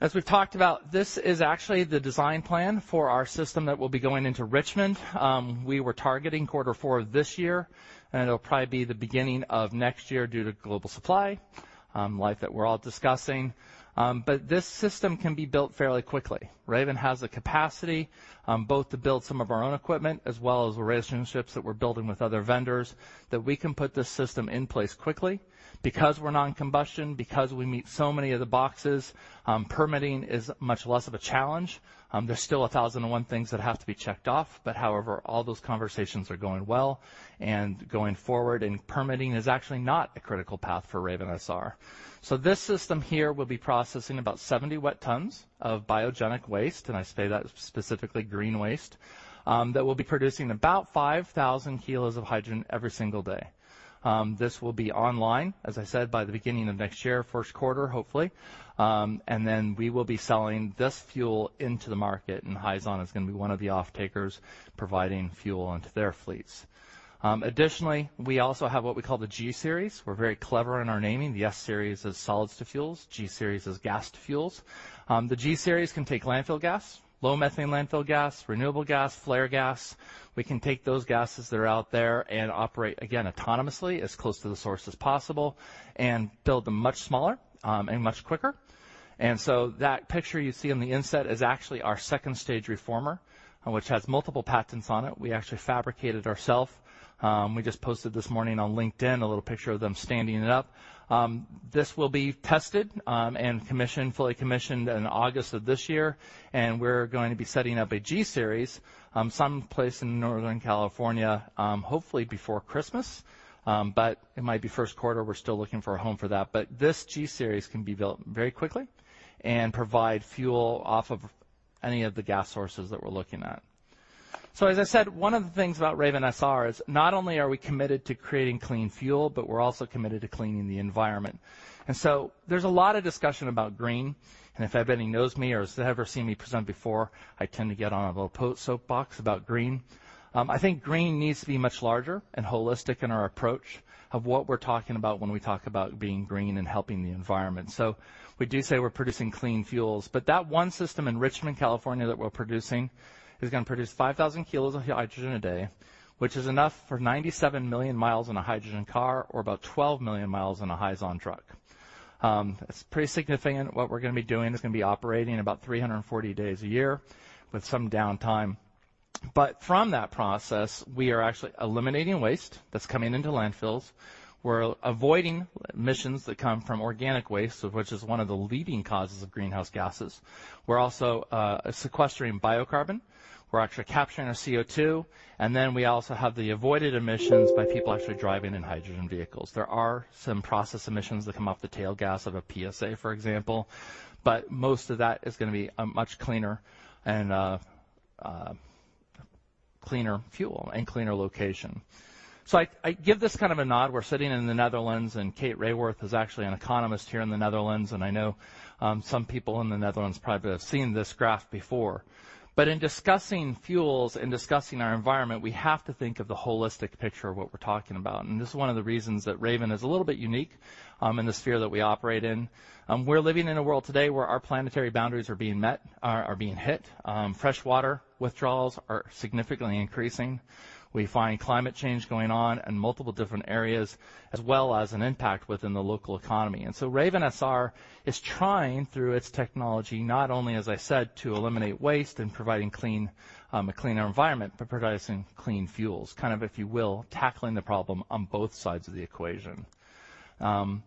As we've talked about, this is actually the design plan for our system that will be going into Richmond. We were targeting quarter four of this year, and it'll probably be the beginning of next year due to global supply, like that we're all discussing. This system can be built fairly quickly. Raven SR has the capacity, both to build some of our own equipment as well as the relationships that we're building with other vendors, that we can put this system in place quickly. Because we're non-combustion, because we meet so many of the boxes, permitting is much less of a challenge. There's still 1,001 things that have to be checked off. However, all those conversations are going well, and going forward, and permitting is actually not a critical path for Raven SR. This system here will be processing about 70 wet tons of biogenic waste, and I say that specifically, green waste, that will be producing about 5,000 kg of hydrogen every single day. This will be online, as I said, by the beginning of next year, Q1, hopefully. We will be selling this fuel into the market, and Hyzon is gonna be one of the offtakers providing fuel onto their fleets. Additionally, we also have what we call the G-Series. We're very clever in our naming. The S-Series is solids to fuels. G-Series is gas to fuels. The G-Series can take landfill gas, low methane landfill gas, renewable gas, flare gas. We can take those gases that are out there and operate, again, autonomously as close to the source as possible and build them much smaller, and much quicker. That picture you see on the inset is actually our second stage reformer, which has multiple patents on it. We actually fabricated ourselves. We just posted this morning on LinkedIn, a little picture of them standing it up. This will be tested and commissioned, fully commissioned in August of this year, and we're going to be setting up a G-Series some place in Northern California, hopefully before Christmas. It might be Q1. We're still looking for a home for that. This G-Series can be built very quickly and provide fuel off of any of the gas sources that we're looking at. As I said, one of the things about Raven SR is not only are we committed to creating clean fuel, but we're also committed to cleaning the environment. There's a lot of discussion about green, and if anybody knows me or has ever seen me present before, I tend to get on a little soapbox about green. I think green needs to be much larger and holistic in our approach of what we're talking about when we talk about being green and helping the environment. We do say we're producing clean fuels, but that one system in Richmond, California that we're producing is gonna produce 5,000 kg of hydrogen a day, which is enough for 97 million mi in a hydrogen car or about 12 million mi in a Hyzon truck. It's pretty significant what we're gonna be doing. It's gonna be operating about 340 days a year with some downtime. From that process, we are actually eliminating waste that's coming into landfills. We're avoiding emissions that come from organic waste, of which is one of the leading causes of greenhouse gases. We're also sequestering biocarbon. We're actually capturing our CO2. We also have the avoided emissions by people actually driving in hydrogen vehicles. There are some process emissions that come off the tail gas of a PSA, for example, but most of that is gonna be a much cleaner and cleaner fuel and cleaner location. I give this kind of a nod. We're sitting in the Netherlands, and Kate Raworth is actually an economist here in the Netherlands, and I know some people in the Netherlands probably have seen this graph before. In discussing fuels and discussing our environment, we have to think of the holistic picture of what we're talking about. This is one of the reasons that Raven is a little bit unique in the sphere that we operate in. We're living in a world today where our planetary boundaries are being hit. Fresh water withdrawals are significantly increasing. We find climate change going on in multiple different areas, as well as an impact within the local economy. Raven SR is trying through its technology, not only, as I said, to eliminate waste and providing clean, a cleaner environment, but producing clean fuels, kind of, if you will, tackling the problem on both sides of the equation. One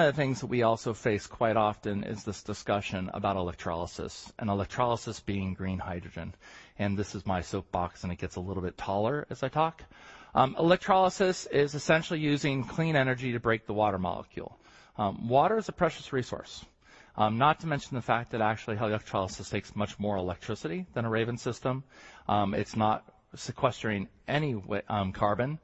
of the things that we also face quite often is this discussion about electrolysis, and electrolysis being green hydrogen. This is my soapbox, and it gets a little bit taller as I talk. Electrolysis is essentially using clean energy to break the water molecule. Water is a precious resource, not to mention the fact that actually electrolysis takes much more electricity than a Raven system. It's not sequestering any carbon,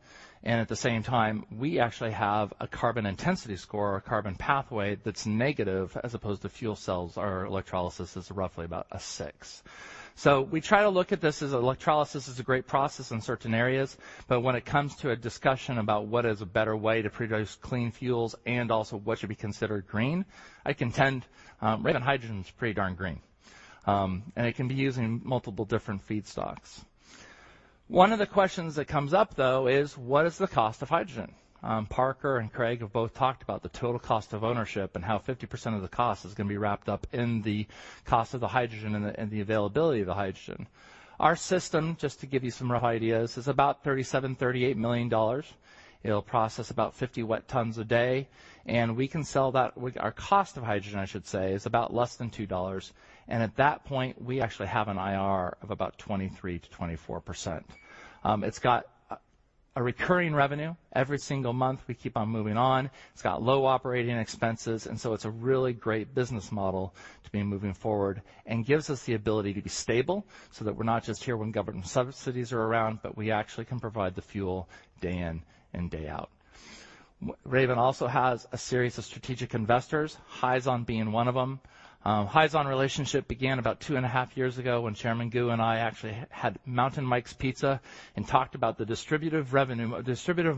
and at the same time, we actually have a carbon intensity score or carbon pathway that's negative as opposed to fuel cells or electrolysis is roughly about a six. We try to look at this as electrolysis is a great process in certain areas, but when it comes to a discussion about what is a better way to produce clean fuels and also what should be considered green, I contend, Raven SR's pretty darn green. It can be used in multiple different feedstocks. One of the questions that comes up, though, is what is the cost of hydrogen? Parker and Craig have both talked about the total cost of ownership and how 50% of the cost is gonna be wrapped up in the cost of the hydrogen and the availability of the hydrogen. Our system, just to give you some rough ideas, is about $37-$38 million. It'll process about 50 wet tons a day, and we can sell that with our cost of hydrogen, I should say, is about less than $2. At that point, we actually have an IR of about 23%-24%. It's got a recurring revenue every single month, we keep on moving on. It's got low operating expenses, and so it's a really great business model to be moving forward and gives us the ability to be stable so that we're not just here when government subsidies are around, but we actually can provide the fuel day in and day out. Raven also has a series of strategic investors, Hyzon being one of them. Hyzon relationship began about 2.5 years ago when Chairman Gu and I actually had Mountain Mike's Pizza and talked about the distributive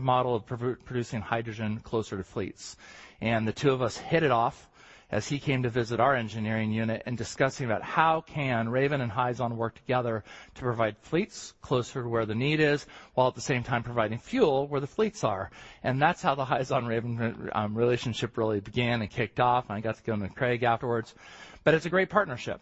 model of co-producing hydrogen closer to fleets. The two of us hit it off as he came to visit our engineering unit and discussing about how can Raven and Hyzon work together to provide fleets closer to where the need is, while at the same time providing fuel where the fleets are. That's how the Hyzon-Raven relationship really began and kicked off, and I got to go to Craig afterwards. It's a great partnership.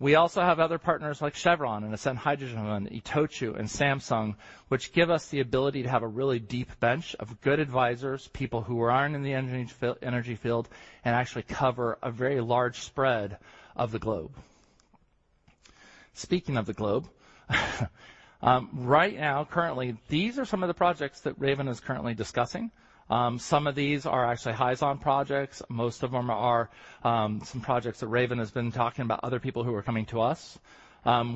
We also have other partners like Chevron and Ascent Hydrogen and ITOCHU and Samsung, which give us the ability to have a really deep bench of good advisors, people who aren't in the energy field, and actually cover a very large spread of the globe. Speaking of the globe, right now, currently, these are some of the projects that Raven is currently discussing. Some of these are actually Hyzon projects. Most of them are, some projects that Raven has been talking about, other people who are coming to us.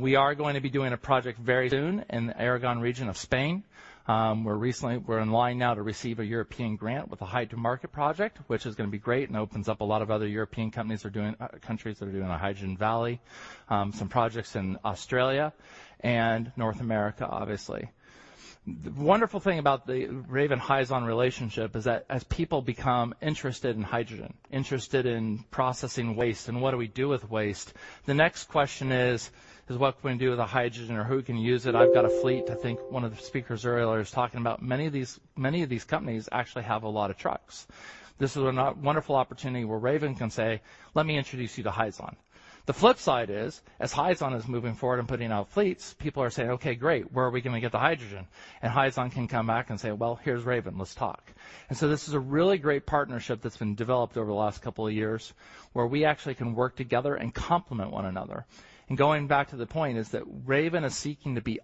We are going to be doing a project very soon in the Aragón region of Spain, where recently we're in line now to receive a European grant with a Hy2Market project, which is gonna be great and opens up a lot of other European companies, countries that are doing a hydrogen valley. Some projects in Australia and North America, obviously. The wonderful thing about the Raven-Hyzon relationship is that as people become interested in hydrogen, interested in processing waste, and what do we do with waste? The next question is, what can we do with the hydrogen or who can use it? I've got a fleet. I think one of the speakers earlier is talking about many of these companies actually have a lot of trucks. This is a wonderful opportunity where Raven can say, "Let me introduce you to Hyzon." The flip side is, as Hyzon is moving forward and putting out fleets, people are saying, "Okay, great. Where are we gonna get the hydrogen?" Hyzon can come back and say, "Well, here's Raven. Let's talk." This is a really great partnership that's been developed over the last couple of years, where we actually can work together and complement one another. Going back to the point is that Raven is seeking to be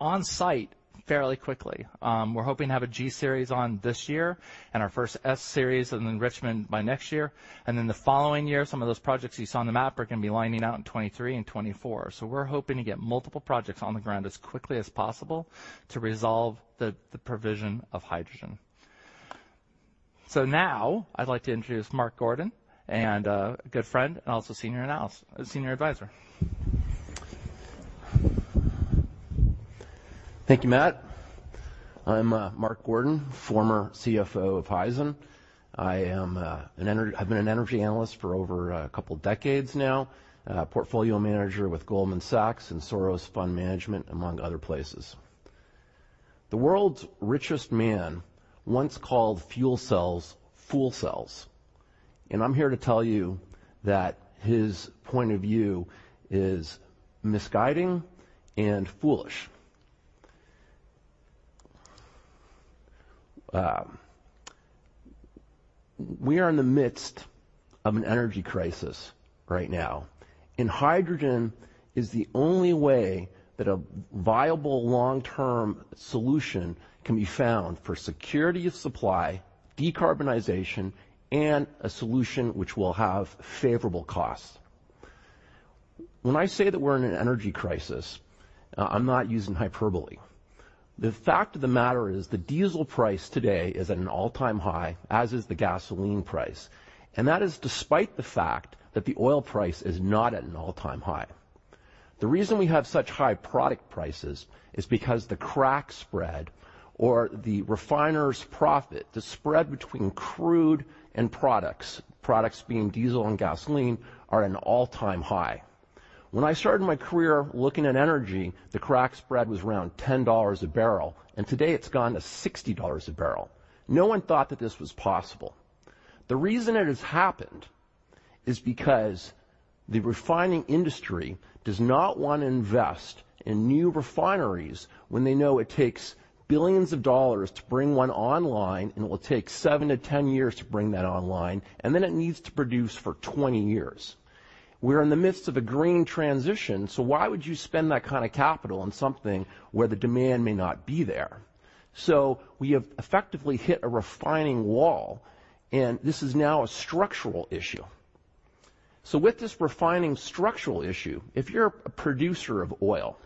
on-site fairly quickly. We're hoping to have a G-Series online this year and our first S-Series in production by next year. The following year, some of those projects you saw on the map are gonna be lining out in 2023 and 2024. We're hoping to get multiple projects on the ground as quickly as possible to resolve the provision of hydrogen. Now I'd like to introduce Mark Gordon, a good friend and also Senior Advisor. Thank you, Matt. I'm Mark Gordon, former CFO of Hyzon. I've been an energy analyst for over a couple decades now, portfolio manager with Goldman Sachs and Soros Fund Management, among other places. The world's richest man once called fuel cells fool cells, and I'm here to tell you that his point of view is misguiding and foolish. We are in the midst of an energy crisis right now, and hydrogen is the only way that a viable long-term solution can be found for security of supply, decarbonization, and a solution which will have favorable costs. When I say that we're in an energy crisis, I'm not using hyperbole. The fact of the matter is the diesel price today is at an all-time high, as is the gasoline price, and that is despite the fact that the oil price is not at an all-time high. The reason we have such high product prices is because the crack spread or the refiner's profit, the spread between crude and products being diesel and gasoline, are at an all-time high. When I started my career looking at energy, the crack spread was around $10 a bbl, and today it's gone to $60 a bbl. No one thought that this was possible. The reason it has happened is because the refining industry does not wanna invest in new refineries when they know it takes billions of dollars to bring one online, and it will take seven to ten years to bring that online, and then it needs to produce for 20 years. We're in the midst of a green transition, so why would you spend that kind of capital on something where the demand may not be there? We have effectively hit a refining wall, and this is now a structural issue. With this refining structural issue, if you're a producer of oil,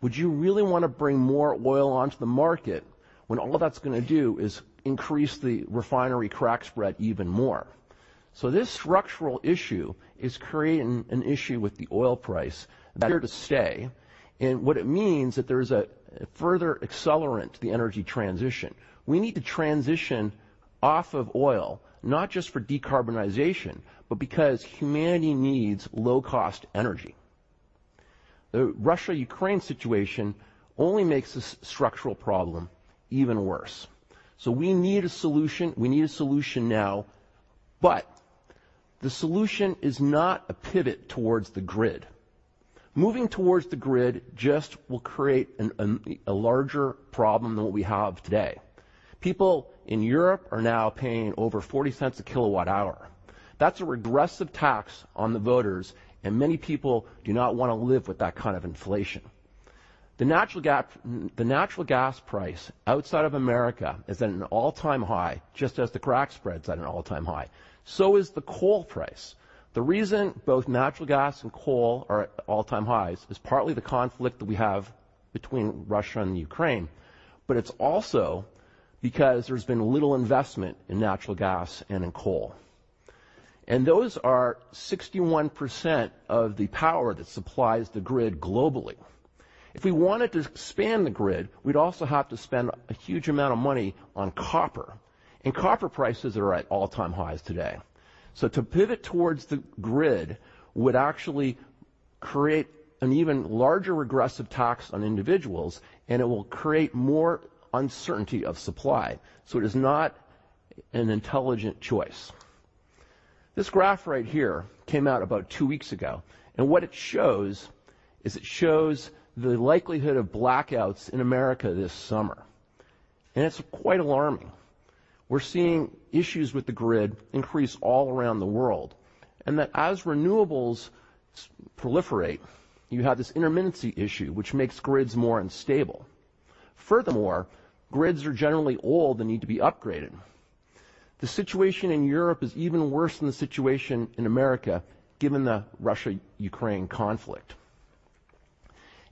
would you really wanna bring more oil onto the market when all that's gonna do is increase the refinery crack spread even more? This structural issue is creating an issue with the oil price that's here to stay, and what it means that there's a further accelerant to the energy transition. We need to transition off of oil, not just for decarbonization, but because humanity needs low-cost energy. The Russia-Ukraine situation only makes this structural problem even worse. We need a solution, we need a solution now, but the solution is not a pivot towards the grid. Moving towards the grid just will create a larger problem than what we have today. People in Europe are now paying over $0.40 a kW hour. That's a regressive tax on the voters, and many people do not wanna live with that kind of inflation. The natural gas price outside of America is at an all-time high, just as the crack spread is at an all-time high. Is the coal price. The reason both natural gas and coal are at all-time highs is partly the conflict that we have between Russia and the Ukraine, but it's also because there's been little investment in natural gas and in coal. Those are 61% of the power that supplies the grid globally. If we wanted to expand the grid, we'd also have to spend a huge amount of money on copper, and copper prices are at all-time highs today. To pivot towards the grid would actually create an even larger regressive tax on individuals, and it will create more uncertainty of supply. It is not an intelligent choice. This graph right here came out about two weeks ago, and what it shows is it shows the likelihood of blackouts in America this summer, and it's quite alarming. We're seeing issues with the grid increase all around the world, and that as renewables proliferate, you have this intermittency issue, which makes grids more unstable. Furthermore, grids are generally old and need to be upgraded. The situation in Europe is even worse than the situation in America, given the Russia-Ukraine conflict.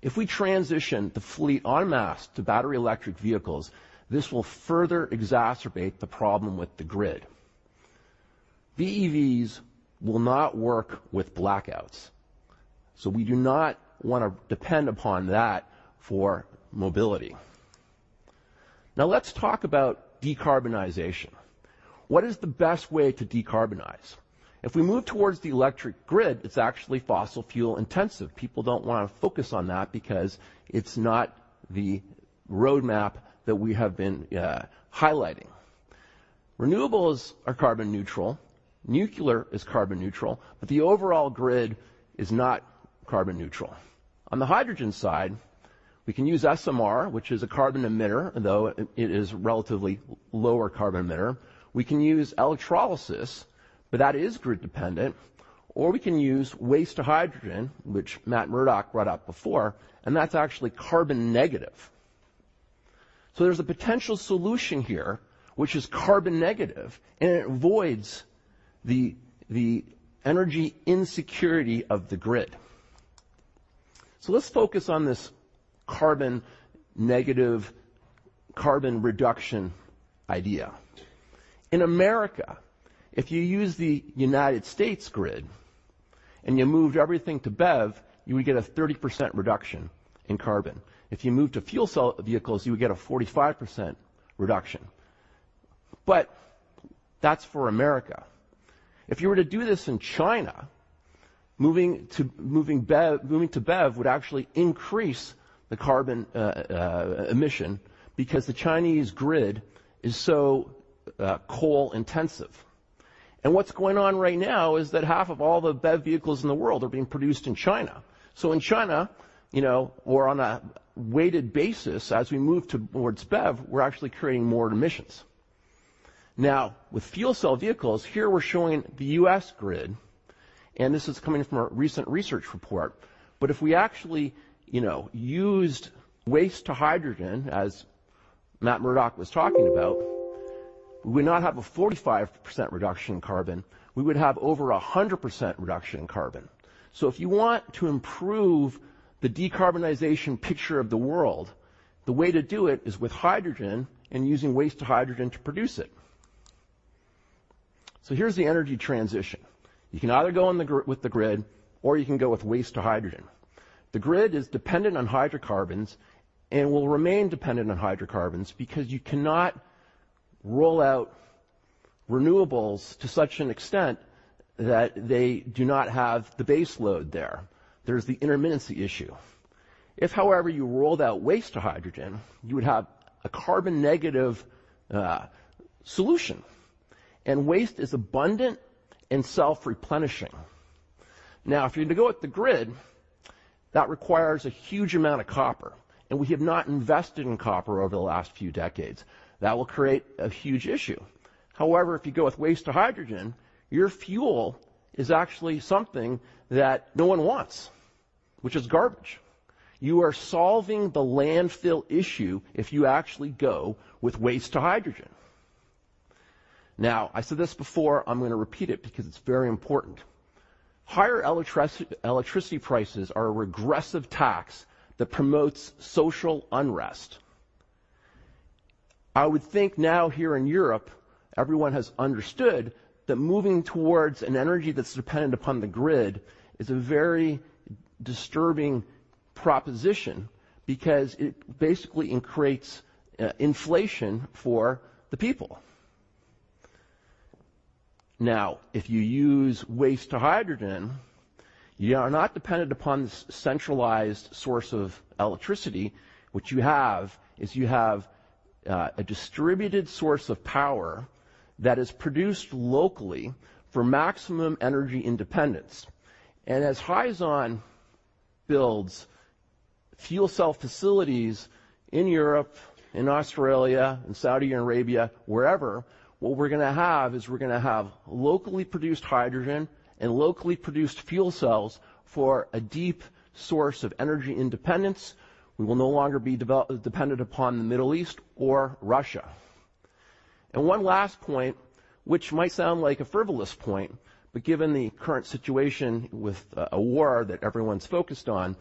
If we transition the fleet en masse to battery electric vehicles, this will further exacerbate the problem with the grid. BEVs will not work with blackouts, so we do not wanna depend upon that for mobility. Now let's talk about decarbonization. What is the best way to decarbonize? If we move towards the electric grid, it's actually fossil fuel intensive. People don't wanna focus on that because it's not the roadmap that we have been highlighting. Renewables are carbon neutral. Nuclear is carbon neutral. But the overall grid is not carbon neutral. On the hydrogen side, we can use SMR, which is a carbon emitter, although it is relatively lower carbon emitter. We can use electrolysis, but that is grid dependent, or we can use waste to hydrogen, which Matt Murdock brought up before, and that's actually carbon negative. Let's focus on this carbon negative carbon reduction idea. In America, if you use the United States grid and you moved everything to BEV, you would get a 30% reduction in carbon. If you moved to fuel cell vehicles, you would get a 45% reduction. That's for America. If you were to do this in China, moving to BEV would actually increase the carbon emission because the Chinese grid is so coal intensive. What's going on right now is that half of all the BEV vehicles in the world are being produced in China. In China, you know, we're on a weighted basis as we move towards BEV, we're actually creating more emissions. Now, with fuel cell vehicles, here we're showing the U.S. grid, and this is coming from a recent research report. If we actually, you know, used waste to hydrogen, as Matt Murdock was talking about, we would not have a 45% reduction in carbon. We would have over 100% reduction in carbon. If you want to improve the decarbonization picture of the world, the way to do it is with hydrogen and using waste to hydrogen to produce it. Here's the energy transition. You can either go on the grid with the grid, or you can go with waste to hydrogen. The grid is dependent on hydrocarbons and will remain dependent on hydrocarbons because you cannot roll out renewables to such an extent that they do not have the base load there. There's the intermittency issue. If, however, you rolled out waste to hydrogen, you would have a carbon negative solution, and waste is abundant and self-replenishing. Now, if you're gonna go with the grid, that requires a huge amount of copper, and we have not invested in copper over the last few decades. That will create a huge issue. However, if you go with waste to hydrogen, your fuel is actually something that no one wants, which is garbage. You are solving the landfill issue if you actually go with waste to hydrogen. Now, I said this before, I'm gonna repeat it because it's very important. Higher electricity prices are a regressive tax that promotes social unrest. I would think now here in Europe, everyone has understood that moving towards an energy that's dependent upon the grid is a very disturbing proposition because it basically creates inflation for the people. Now, if you use waste to hydrogen, you are not dependent upon this centralized source of electricity. What you have is a distributed source of power that is produced locally for maximum energy independence. As Hyzon builds fuel cell facilities in Europe, in Australia, in Saudi Arabia, wherever, what we're gonna have is we're gonna have locally produced hydrogen and locally produced fuel cells for a deep source of energy independence. We will no longer be dependent upon the Middle East or Russia. One last point, which might sound like a frivolous point, but given the current situation with a war that everyone's focused on,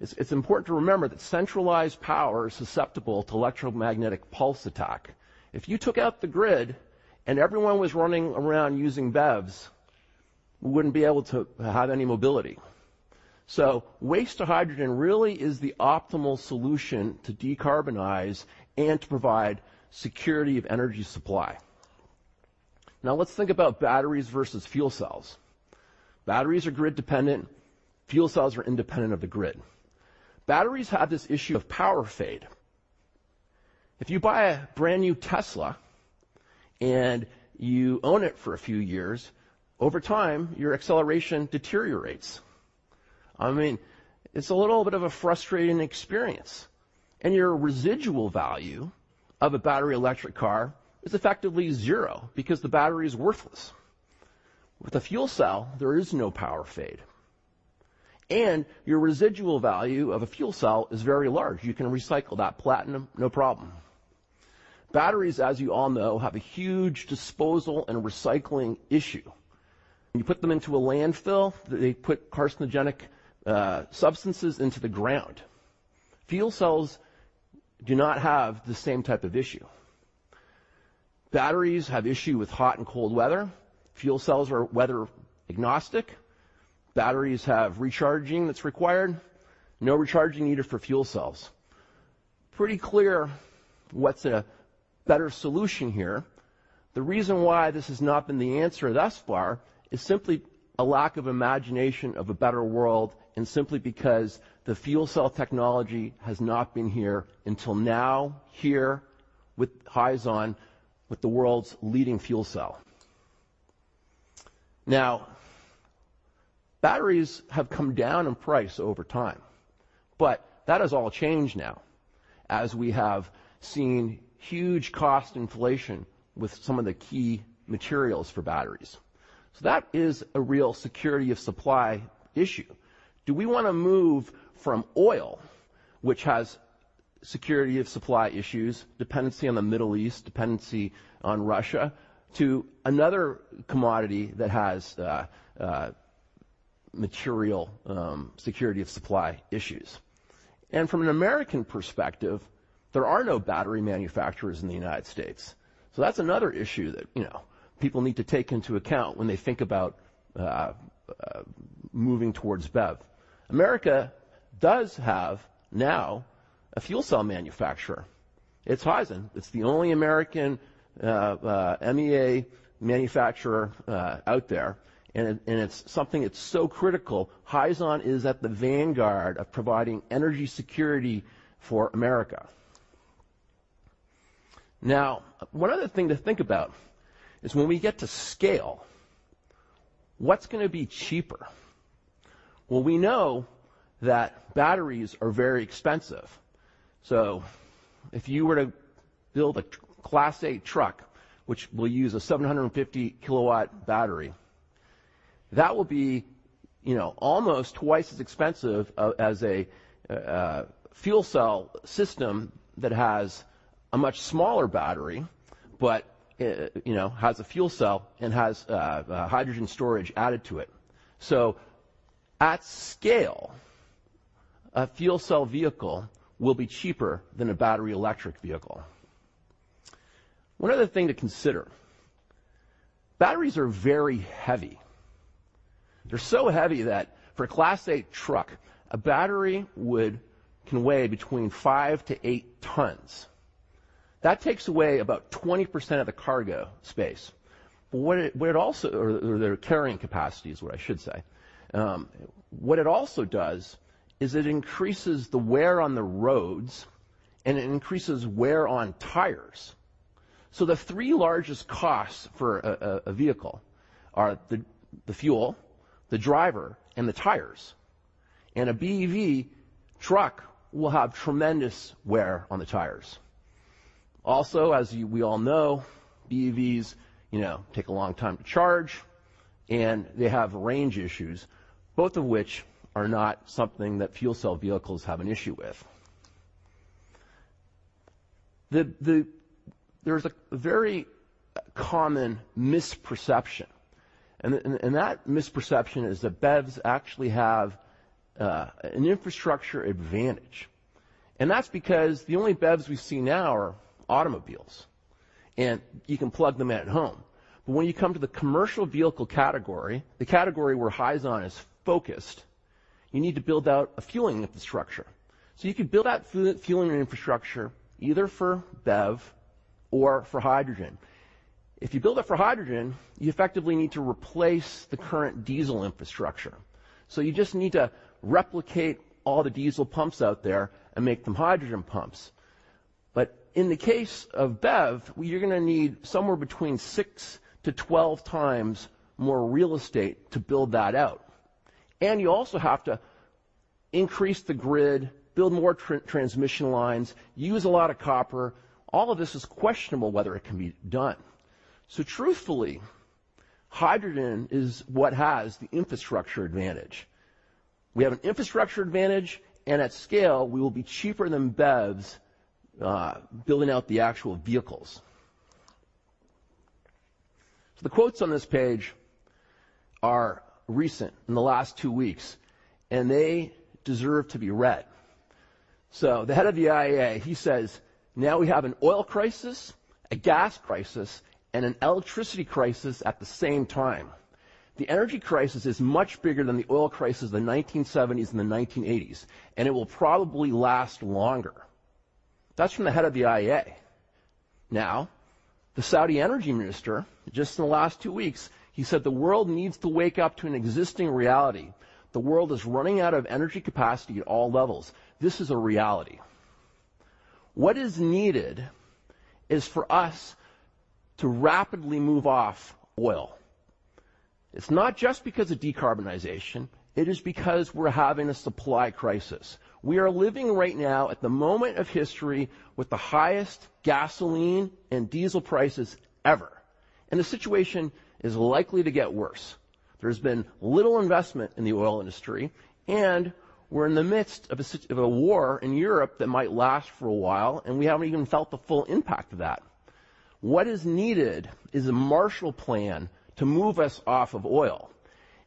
it's important to remember that centralized power is susceptible to electromagnetic pulse attack. If you took out the grid and everyone was running around using BEVs, we wouldn't be able to have any mobility. Waste to hydrogen really is the optimal solution to decarbonize and to provide security of energy supply. Now let's think about batteries versus fuel cells. Batteries are grid dependent. Fuel cells are independent of the grid. Batteries have this issue of power fade. If you buy a brand new Tesla and you own it for a few years, over time, your acceleration deteriorates. I mean, it's a little bit of a frustrating experience, and your residual value of a battery electric car is effectively zero because the battery is worthless. With a fuel cell, there is no power fade, and your residual value of a fuel cell is very large. You can recycle that platinum, no problem. Batteries, as you all know, have a huge disposal and recycling issue. You put them into a landfill, they put carcinogenic, substances into the ground. Fuel cells do not have the same type of issue. Batteries have issue with hot and cold weather. Fuel cells are weather agnostic. Batteries have recharging that's required. No recharging needed for fuel cells. Pretty clear what's a better solution here. The reason why this has not been the answer thus far is simply a lack of imagination of a better world and simply because the fuel cell technology has not been here until now, here with Hyzon, with the world's leading fuel cell. Now, batteries have come down in price over time, but that has all changed now as we have seen huge cost inflation with some of the key materials for batteries. So that is a real security of supply issue. Do we wanna move from oil, which has security of supply issues, dependency on the Middle East, dependency on Russia, to another commodity that has material security of supply issues? From an American perspective, there are no battery manufacturers in the United States. That's another issue that, you know, people need to take into account when they think about moving towards BEV. America does have now a fuel cell manufacturer. It's Hyzon. It's the only American MEA manufacturer out there, and it's something that's so critical. Hyzon is at the vanguard of providing energy security for America. One other thing to think about is when we get to scale, what's gonna be cheaper? Well, we know that batteries are very expensive, so if you were to build a Class eight truck, which will use a 750 kW battery, that will be, you know, almost twice as expensive as a fuel cell system that has a much smaller battery but, you know, has a fuel cell and has hydrogen storage added to it. At scale, a fuel cell vehicle will be cheaper than a battery electric vehicle. One other thing to consider, batteries are very heavy. They're so heavy that for a Class eight truck, a battery can weigh between five-eight tons. That takes away about 20% of the cargo space. But what it also or their carrying capacity is what I should say. What it also does is it increases the wear on the roads, and it increases wear on tires. The three largest costs for a vehicle are the fuel, the driver, and the tires. A BEV truck will have tremendous wear on the tires. Also, as we all know, BEVs, you know, take a long time to charge, and they have range issues, both of which are not something that fuel cell vehicles have an issue with. There's a very common misperception and that misperception is that BEVs actually have an infrastructure advantage, and that's because the only BEVs we see now are automobiles, and you can plug them in at home. When you come to the commercial vehicle category, the category where Hyzon is focused, you need to build out a fueling infrastructure. You can build out fueling infrastructure either for BEV or for hydrogen. If you build it for hydrogen, you effectively need to replace the current diesel infrastructure. You just need to replicate all the diesel pumps out there and make them hydrogen pumps. In the case of BEV, you're gonna need somewhere between six to twelve times more real estate to build that out. You also have to increase the grid, build more transmission lines, use a lot of copper. All of this is questionable whether it can be done. Truthfully, hydrogen is what has the infrastructure advantage. We have an infrastructure advantage, and at scale, we will be cheaper than BEVs, building out the actual vehicles. The quotes on this page are recent, in the last two weeks, and they deserve to be read. The head of the IEA, he says, "Now we have an oil crisis, a gas crisis, and an electricity crisis at the same time. The energy crisis is much bigger than the oil crisis of the 1970s and the 1980s, and it will probably last longer. That's from the head of the IEA. Now, the Saudi energy minister, just in the last two weeks, he said, "The world needs to wake up to an existing reality. The world is running out of energy capacity at all levels. This is a reality." What is needed is for us to rapidly move off oil. It's not just because of decarbonization. It is because we're having a supply crisis. We are living right now at the moment of history with the highest gasoline and diesel prices ever, and the situation is likely to get worse. There has been little investment in the oil industry, and we're in the midst of a war in Europe that might last for a while, and we haven't even felt the full impact of that. What is needed is a Marshall Plan to move us off of oil,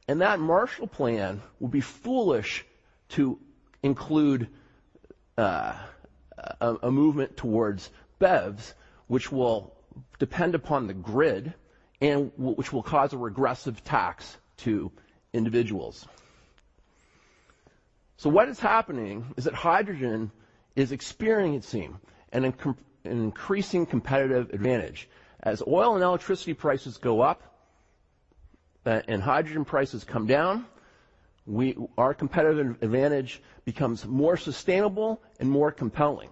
and that Marshall Plan will be foolish to include a movement towards BEVs, which will depend upon the grid and which will cause a regressive tax to individuals. What is happening is that hydrogen is experiencing an increasing competitive advantage. As oil and electricity prices go up, and hydrogen prices come down, our competitive advantage becomes more sustainable and more compelling.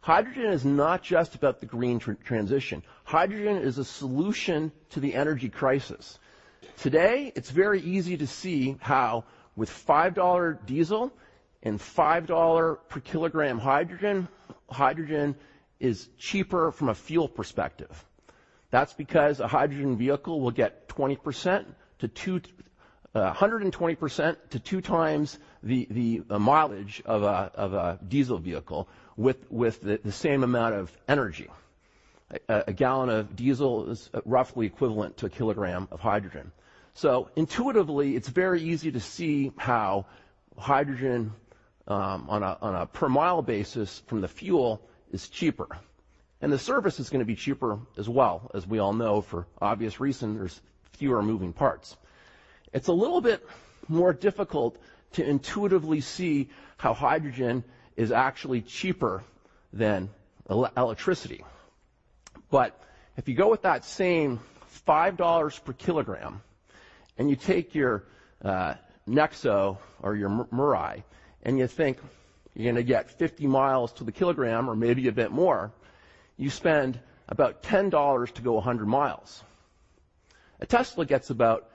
Hydrogen is not just about the green transition. Hydrogen is a solution to the energy crisis. Today, it's very easy to see how with $5 diesel and $5 per kg hydrogen is cheaper from a fuel perspective. That's because a hydrogen vehicle will get 120% to 2x the mileage of a diesel vehicle with the same amount of energy. A gallon of diesel is roughly equivalent to a kilogram of hydrogen. Intuitively, it's very easy to see how hydrogen on a per mile basis from the fuel is cheaper, and the service is gonna be cheaper as well. As we all know, for obvious reasons, there's fewer moving parts. It's a little bit more difficult to intuitively see how hydrogen is actually cheaper than electricity. If you go with that same $5 per kg, and you take your NEXO or your Mirai, and you think you're gonna get 50 miles to the kilogram or maybe a bit more, you spend about $10 to go 100 mi. A Tesla gets about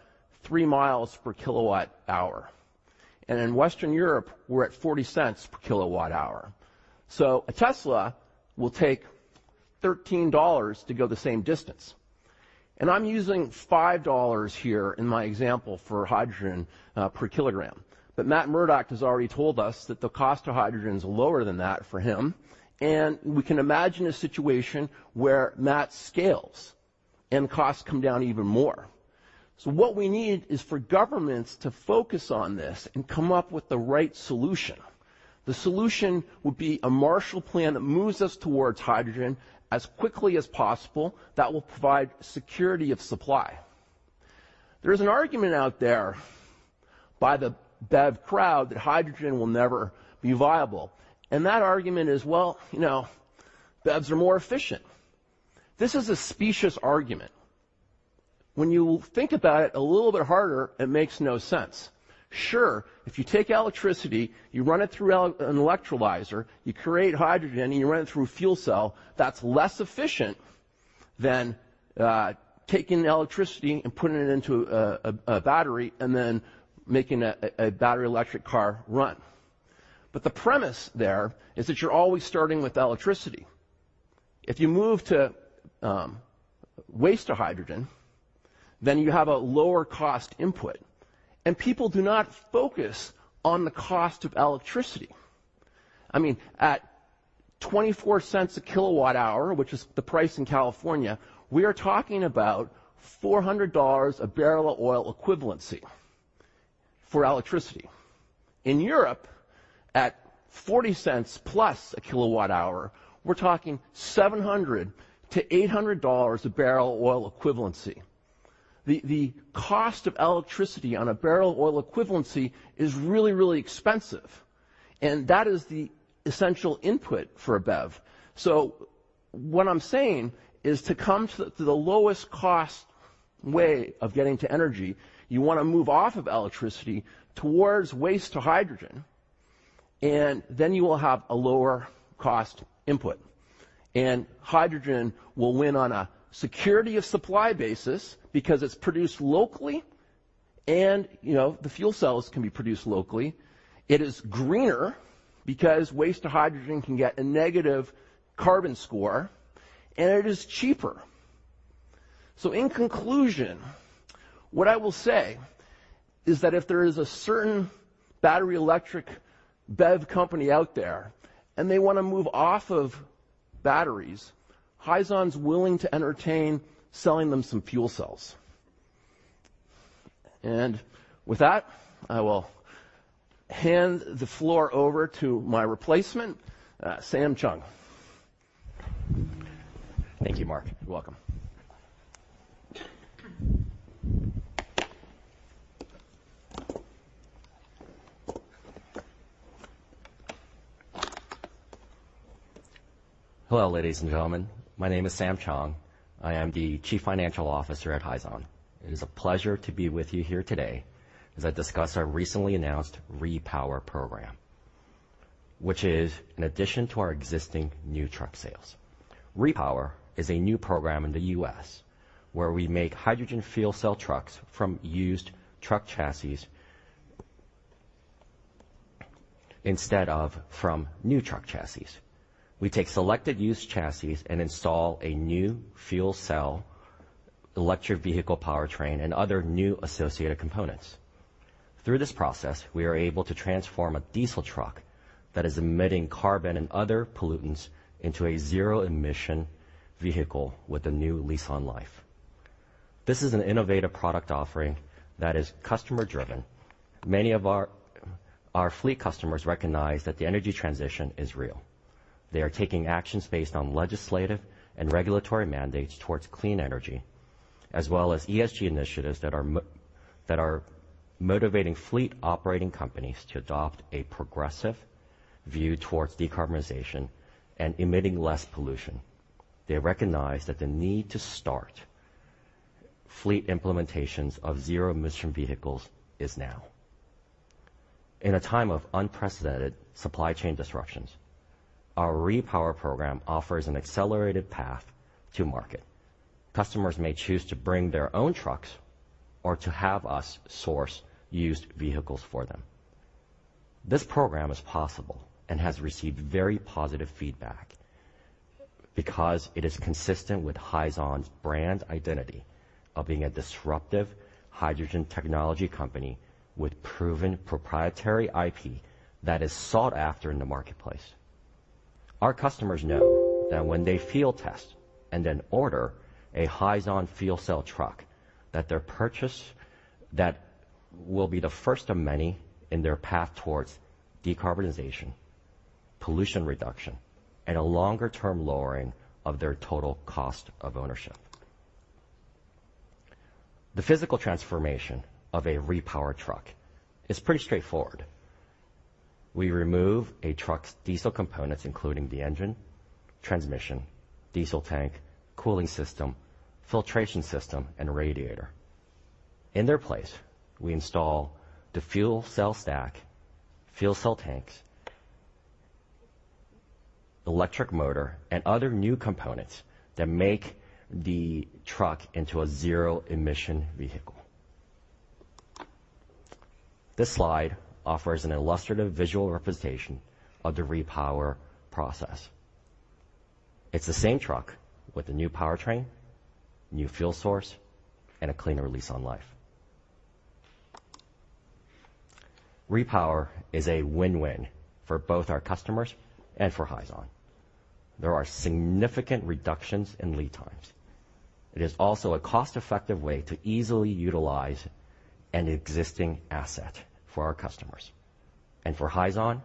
3 mi per kWh, and in Western Europe, we're at $0.40 per kWh. A Tesla will take $13 to go the same distance. I'm using $5 here in my example for hydrogen per kilogram. Matt Murdock has already told us that the cost of hydrogen is lower than that for him, and we can imagine a situation where Matt scales and costs come down even more. What we need is for governments to focus on this and come up with the right solution. The solution would be a Marshall Plan that moves us toward hydrogen as quickly as possible that will provide security of supply. There is an argument out there by the BEV crowd that hydrogen will never be viable, and that argument is, well, you know, BEVs are more efficient. This is a specious argument. When you think about it a little bit harder, it makes no sense. Sure, if you take electricity, you run it through an electrolyzer, you create hydrogen, and you run it through a fuel cell, that's less efficient than taking electricity and putting it into a battery and then making a battery electric car run. But the premise there is that you're always starting with electricity. If you move to waste to hydrogen, then you have a lower cost input, and people do not focus on the cost of electricity. I mean, at $0.24/kWh, which is the price in California, we are talking about $400 a bl of oil equivalency for electricity. In Europe, at $0.40 plus/kWh, we're talking $700-$800 a bl oil equivalency. The cost of electricity on a barrel oil equivalency is really, really expensive, and that is the essential input for a BEV. What I'm saying is to come to the lowest cost way of getting to energy, you wanna move off of electricity towards waste to hydrogen, and then you will have a lower cost input. Hydrogen will win on a security of supply basis because it's produced locally and, you know, the fuel cells can be produced locally. It is greener because waste to hydrogen can get a negative carbon score, and it is cheaper. In conclusion, what I will say is that if there is a certain battery electric BEV company out there, and they wanna move off of batteries, Hyzon's willing to entertain selling them some fuel cells. With that, I will hand the floor over to my replacement, Sam Chong. Thank you, Mark. You're welcome. Hello, ladies and gentlemen. My name is Sam Chong. I am the Chief Financial Officer at Hyzon. It is a pleasure to be with you here today as I discuss our recently announced Repower program, which is an addition to our existing new truck sales. Repower is a new program in the U.S. where we make hydrogen fuel cell trucks from used truck chassis instead of from new truck chassis. We take selected used chassis and install a new fuel cell electric vehicle powertrain and other new associated components. Through this process, we are able to transform a diesel truck that is emitting carbon and other pollutants into a zero-emission vehicle with a new lease on life. This is an innovative product offering that is customer-driven. Many of our fleet customers recognize that the energy transition is real. They are taking actions based on legislative and regulatory mandates towards clean energy, as well as ESG initiatives that are motivating fleet operating companies to adopt a progressive view towards decarbonization and emitting less pollution. They recognize that the need to start fleet implementations of zero-emission vehicles is now. In a time of unprecedented supply chain disruptions, our Repower program offers an accelerated path to market. Customers may choose to bring their own trucks or to have us source used vehicles for them. This program is possible and has received very positive feedback because it is consistent with Hyzon's brand identity of being a disruptive hydrogen technology company with proven proprietary IP that is sought after in the marketplace. Our customers know that when they field test and then order a Hyzon fuel cell truck, that their purchase, that will be the first of many in their path towards decarbonization, pollution reduction, and a longer-term lowering of their total cost of ownership. The physical transformation of a Repower truck is pretty straightforward. We remove a truck's diesel components, including the engine, transmission, diesel tank, cooling system, filtration system, and radiator. In their place, we install the fuel cell stack, fuel cell tanks, electric motor, and other new components that make the truck into a zero-emission vehicle. This slide offers an illustrative visual representation of the Repower process. It's the same truck with a new powertrain, new fuel source, and a cleaner lease on life. Repower is a win-win for both our customers and for Hyzon. There are significant reductions in lead times. It is also a cost-effective way to easily utilize an existing asset for our customers. For Hyzon,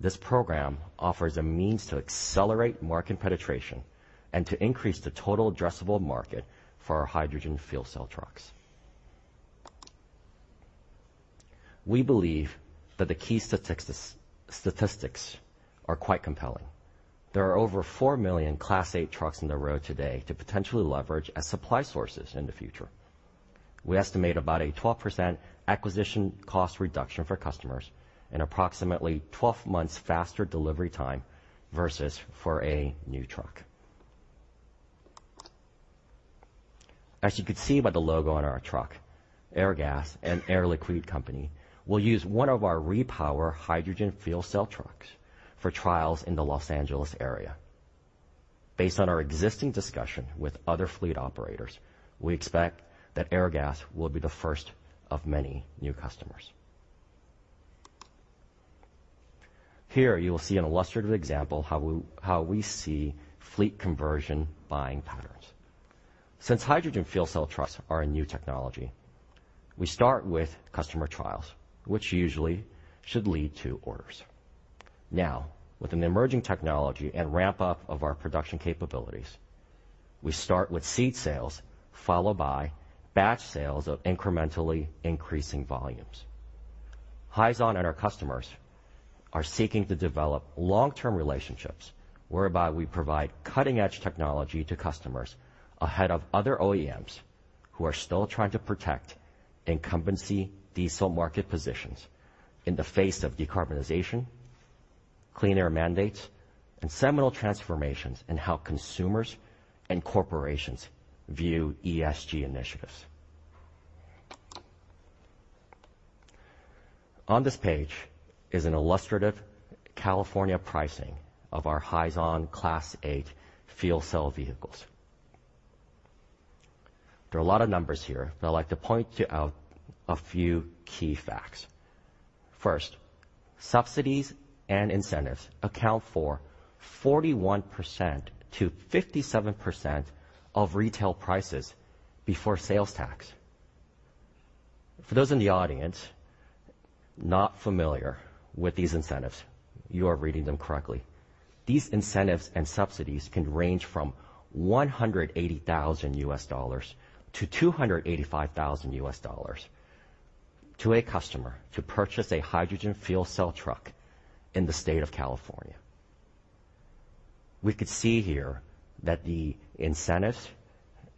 this program offers a means to accelerate market penetration and to increase the total addressable market for our hydrogen fuel cell trucks. We believe that the key statistics are quite compelling. There are over four million Class eight trucks on the road today to potentially leverage as supply sources in the future. We estimate about a 12% acquisition cost reduction for customers and approximately 12 months faster delivery time versus for a new truck. As you can see by the logo on our truck, Airgas, an Air Liquide company, will use one of our Repower hydrogen fuel cell trucks for trials in the Los Angeles area. Based on our existing discussion with other fleet operators, we expect that Airgas will be the first of many new customers. Here you will see an illustrative example how we see fleet conversion buying patterns. Since hydrogen fuel cell trucks are a new technology, we start with customer trials, which usually should lead to orders. Now, with an emerging technology and ramp up of our production capabilities, we start with seed sales, followed by batch sales of incrementally increasing volumes. Hyzon and our customers are seeking to develop long-term relationships whereby we provide cutting-edge technology to customers ahead of other OEMs who are still trying to protect incumbent diesel market positions in the face of decarbonization, clean air mandates, and seminal transformations in how consumers and corporations view ESG initiatives. On this page is an illustrative California pricing of our Hyzon Class eight fuel cell vehicles. There are a lot of numbers here, but I'd like to point out to you a few key facts. First, subsidies and incentives account for 41%-57% of retail prices before sales tax. For those in the audience not familiar with these incentives, you are reading them correctly. These incentives and subsidies can range from $180,000 to $285,000 to a customer to purchase a hydrogen fuel cell truck in the state of California. We could see here that the incentives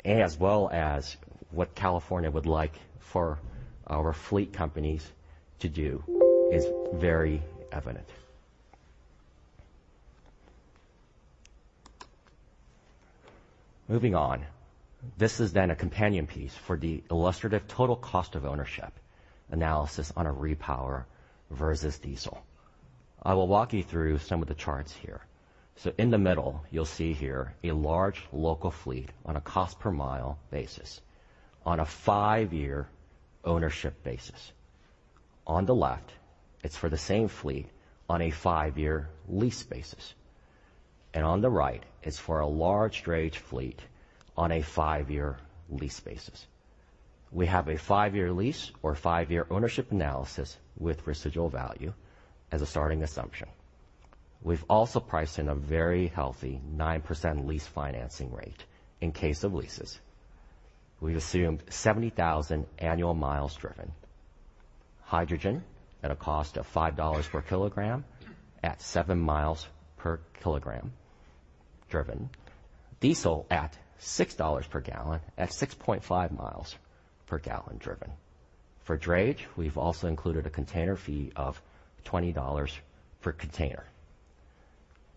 as well as what California would like for our fleet companies to do is very evident. Moving on. This is then a companion piece for the illustrative total cost of ownership analysis on a Repower versus diesel. I will walk you through some of the charts here. In the middle, you'll see here a large local fleet on a cost per mile basis on a five-year ownership basis. On the left, it's for the same fleet on a five-year lease basis. On the right is for a large drayage fleet on a five-year lease basis. We have a five-year lease or five-year ownership analysis with residual value as a starting assumption. We've also priced in a very healthy 9% lease financing rate in case of leases. We've assumed 70,000 annual miles driven, hydrogen at a cost of $5 per kg at seven miles per kilogram driven, diesel at $6 per gallon at 6.5 mi per gal driven. For drayage, we've also included a container fee of $20 per container.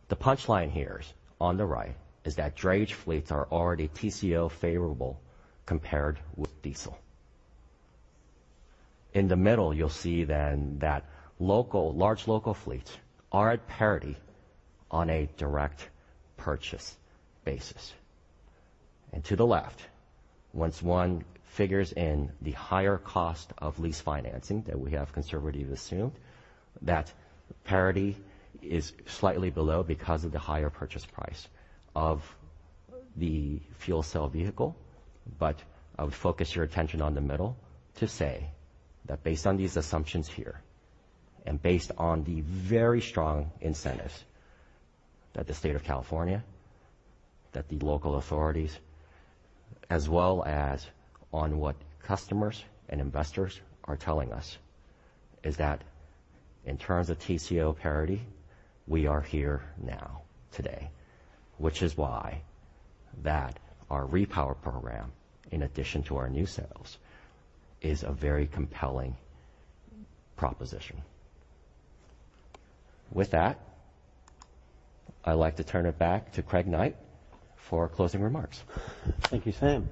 The punchline here on the right is that drayage fleets are already TCO favorable compared with diesel. In the middle, you'll see that large local fleets are at parity on a direct purchase basis. To the left, once one figures in the higher cost of lease financing that we have conservatively assumed, that parity is slightly below because of the higher purchase price of the fuel cell vehicle. I would focus your attention on the middle to say that based on these assumptions here, and based on the very strong incentives that the state of California, that the local authorities, as well as on what customers and investors are telling us, is that in terms of TCO parity, we are here now today. Which is why that our Repower program, in addition to our new sales, is a very compelling proposition. With that, I'd like to turn it back to Craig Knight for closing remarks. Thank you, Sam.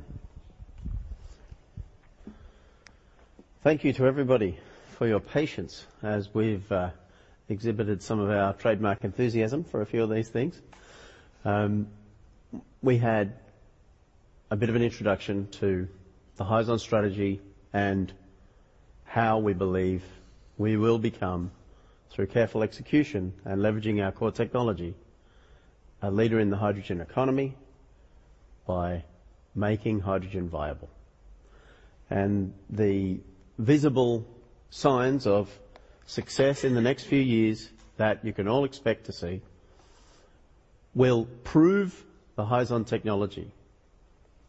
Thank you to everybody for your patience as we've exhibited some of our trademark enthusiasm for a few of these things. We had a bit of an introduction to the Hyzon strategy and how we believe we will become, through careful execution and leveraging our core technology, a leader in the hydrogen economy by making hydrogen viable. The visible signs of success in the next few years that you can all expect to see will prove the Hyzon technology,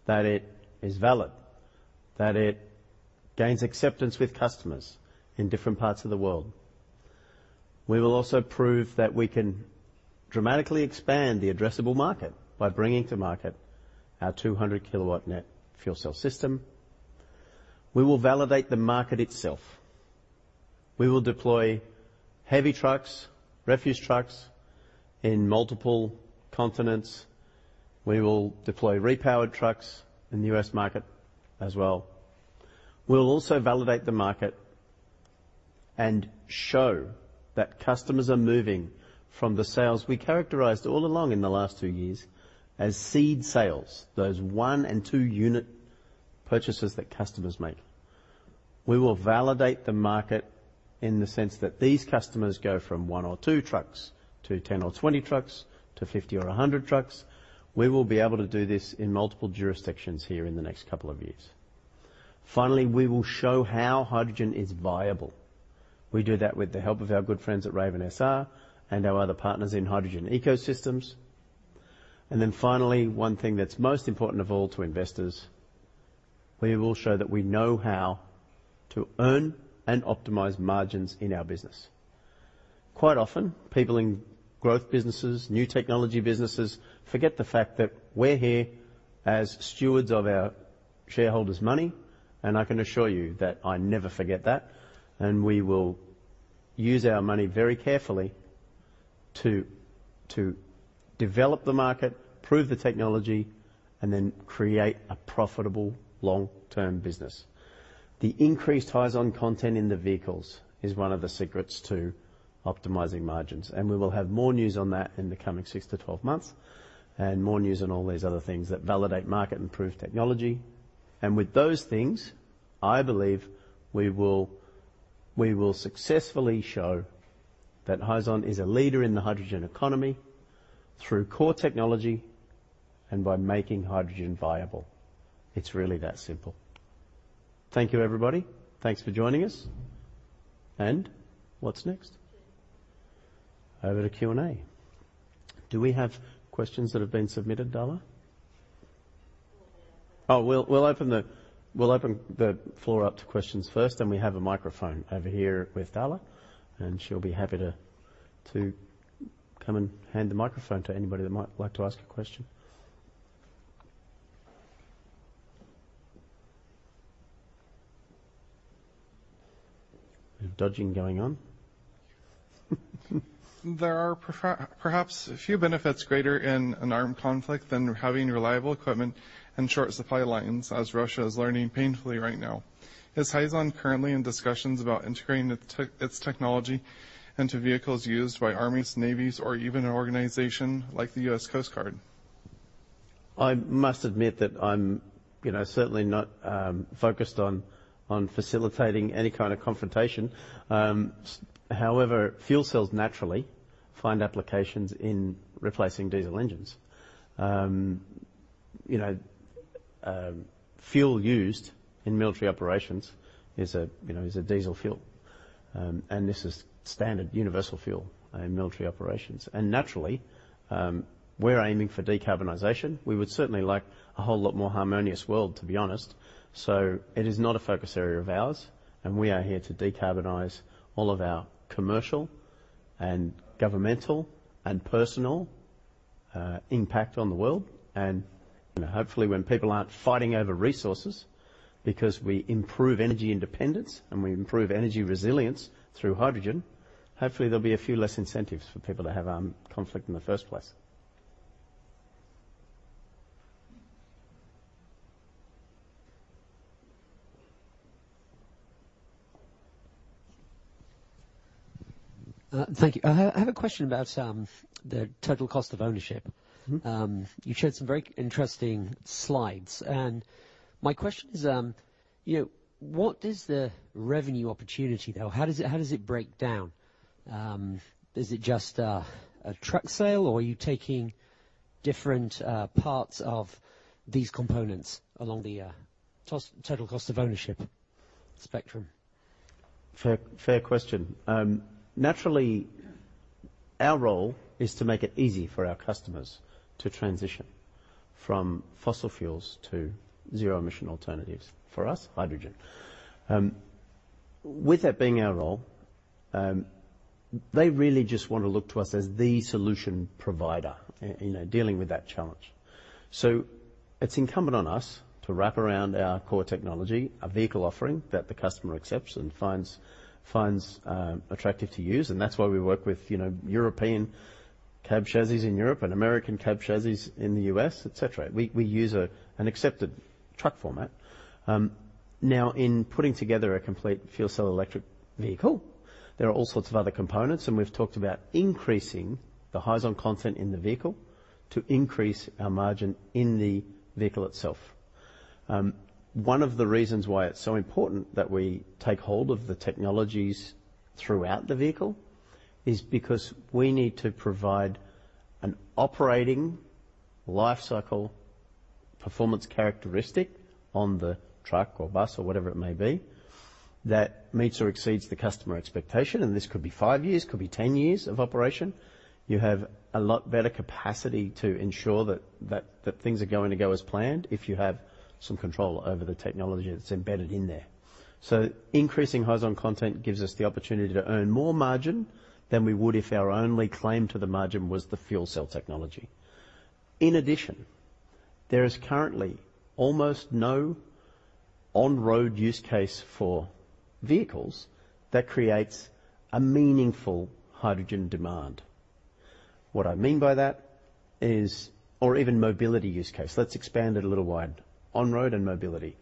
that it is valid, that it gains acceptance with customers in different parts of the world. We will also prove that we can dramatically expand the addressable market by bringing to market our 200 kW net fuel cell system. We will validate the market itself. We will deploy heavy trucks, refuse trucks in multiple continents. We will deploy repowered trucks in the U.S. market as well. We will also validate the market and show that customers are moving from the sales we characterized all along in the last two years as seed sales, those one and two-unit purchases that customers make. We will validate the market in the sense that these customers go from one or two trucks to 10 or 20 trucks, to 50 or 100 trucks. We will be able to do this in multiple jurisdictions here in the next couple of years. Finally, we will show how hydrogen is viable. We do that with the help of our good friends at Raven SR and our other partners in hydrogen ecosystems. Finally, one thing that's most important of all to investors, we will show that we know how to earn and optimize margins in our business. Quite often, people in growth businesses, new technology businesses, forget the fact that we're here as stewards of our shareholders' money, and I can assure you that I never forget that. We will use our money very carefully to develop the market, prove the technology, and then create a profitable long-term business. The increased Hyzon content in the vehicles is one of the secrets to optimizing margins, and we will have more news on that in the coming six to twelve months, and more news on all these other things that validate market and prove technology. With those things, I believe we will successfully show that Hyzon is a leader in the hydrogen economy through core technology and by making hydrogen viable. It's really that simple. Thank you, everybody. Thanks for joining us. What's next? Over to Q&A. Do we have questions that have been submitted, Darla? We'll open the floor up to questions first, and we have a microphone over here with Darla, and she'll be happy to come and hand the microphone to anybody that might like to ask a question. Dodging going on. There are perhaps a few benefits greater in an armed conflict than having reliable equipment and short supply lines as Russia is learning painfully right now. Is Hyzon currently in discussions about integrating its technology into vehicles used by armies, navies or even an organization like the U.S. Coast Guard? I must admit that I'm, you know, certainly not focused on facilitating any kind of confrontation. However, fuel cells naturally find applications in replacing diesel engines. You know, fuel used in military operations is a diesel fuel. This is standard universal fuel in military operations. Naturally, we're aiming for decarbonization. We would certainly like a whole lot more harmonious world, to be honest. It is not a focus area of ours, and we are here to decarbonize all of our commercial and governmental and personal impact on the world. You know, hopefully, when people aren't fighting over resources because we improve energy independence, and we improve energy resilience through hydrogen, hopefully there'll be a few less incentives for people to have conflict in the first place. Thank you. I have a question about the total cost of ownership. Mm-hmm. You showed some very interesting slides and my question is, you know, what is the revenue opportunity, though? How does it break down? Is it just a truck sale or are you taking different parts of these components along the total cost of ownership spectrum? Fair, fair question. Naturally, our role is to make it easy for our customers to transition from fossil fuels to zero emission alternatives. For us, hydrogen. With that being our role, they really just want to look to us as the solution provider in dealing with that challenge. It's incumbent on us to wrap around our core technology, a vehicle offering that the customer accepts and finds attractive to use, and that's why we work with, you know, European cab chassis in Europe and American cab chassis in the U.S., et cetera. We use an accepted truck format. Now, in putting together a complete fuel cell electric vehicle, there are all sorts of other components, and we've talked about increasing the Hyzon content in the vehicle to increase our margin in the vehicle itself. One of the reasons why it's so important that we take hold of the technologies throughout the vehicle is because we need to provide an operating lifecycle performance characteristic on the truck or bus or whatever it may be that meets or exceeds the customer expectation, and this could be five years, could be 10 years of operation. You have a lot better capacity to ensure that things are going to go as planned if you have some control over the technology that's embedded in there. Increasing Hyzon content gives us the opportunity to earn more margin than we would if our only claim to the margin was the fuel cell technology. In addition, there is currently almost no on-road use case for vehicles that creates a meaningful hydrogen demand. Let's expand it a little wide. On-road and mobility.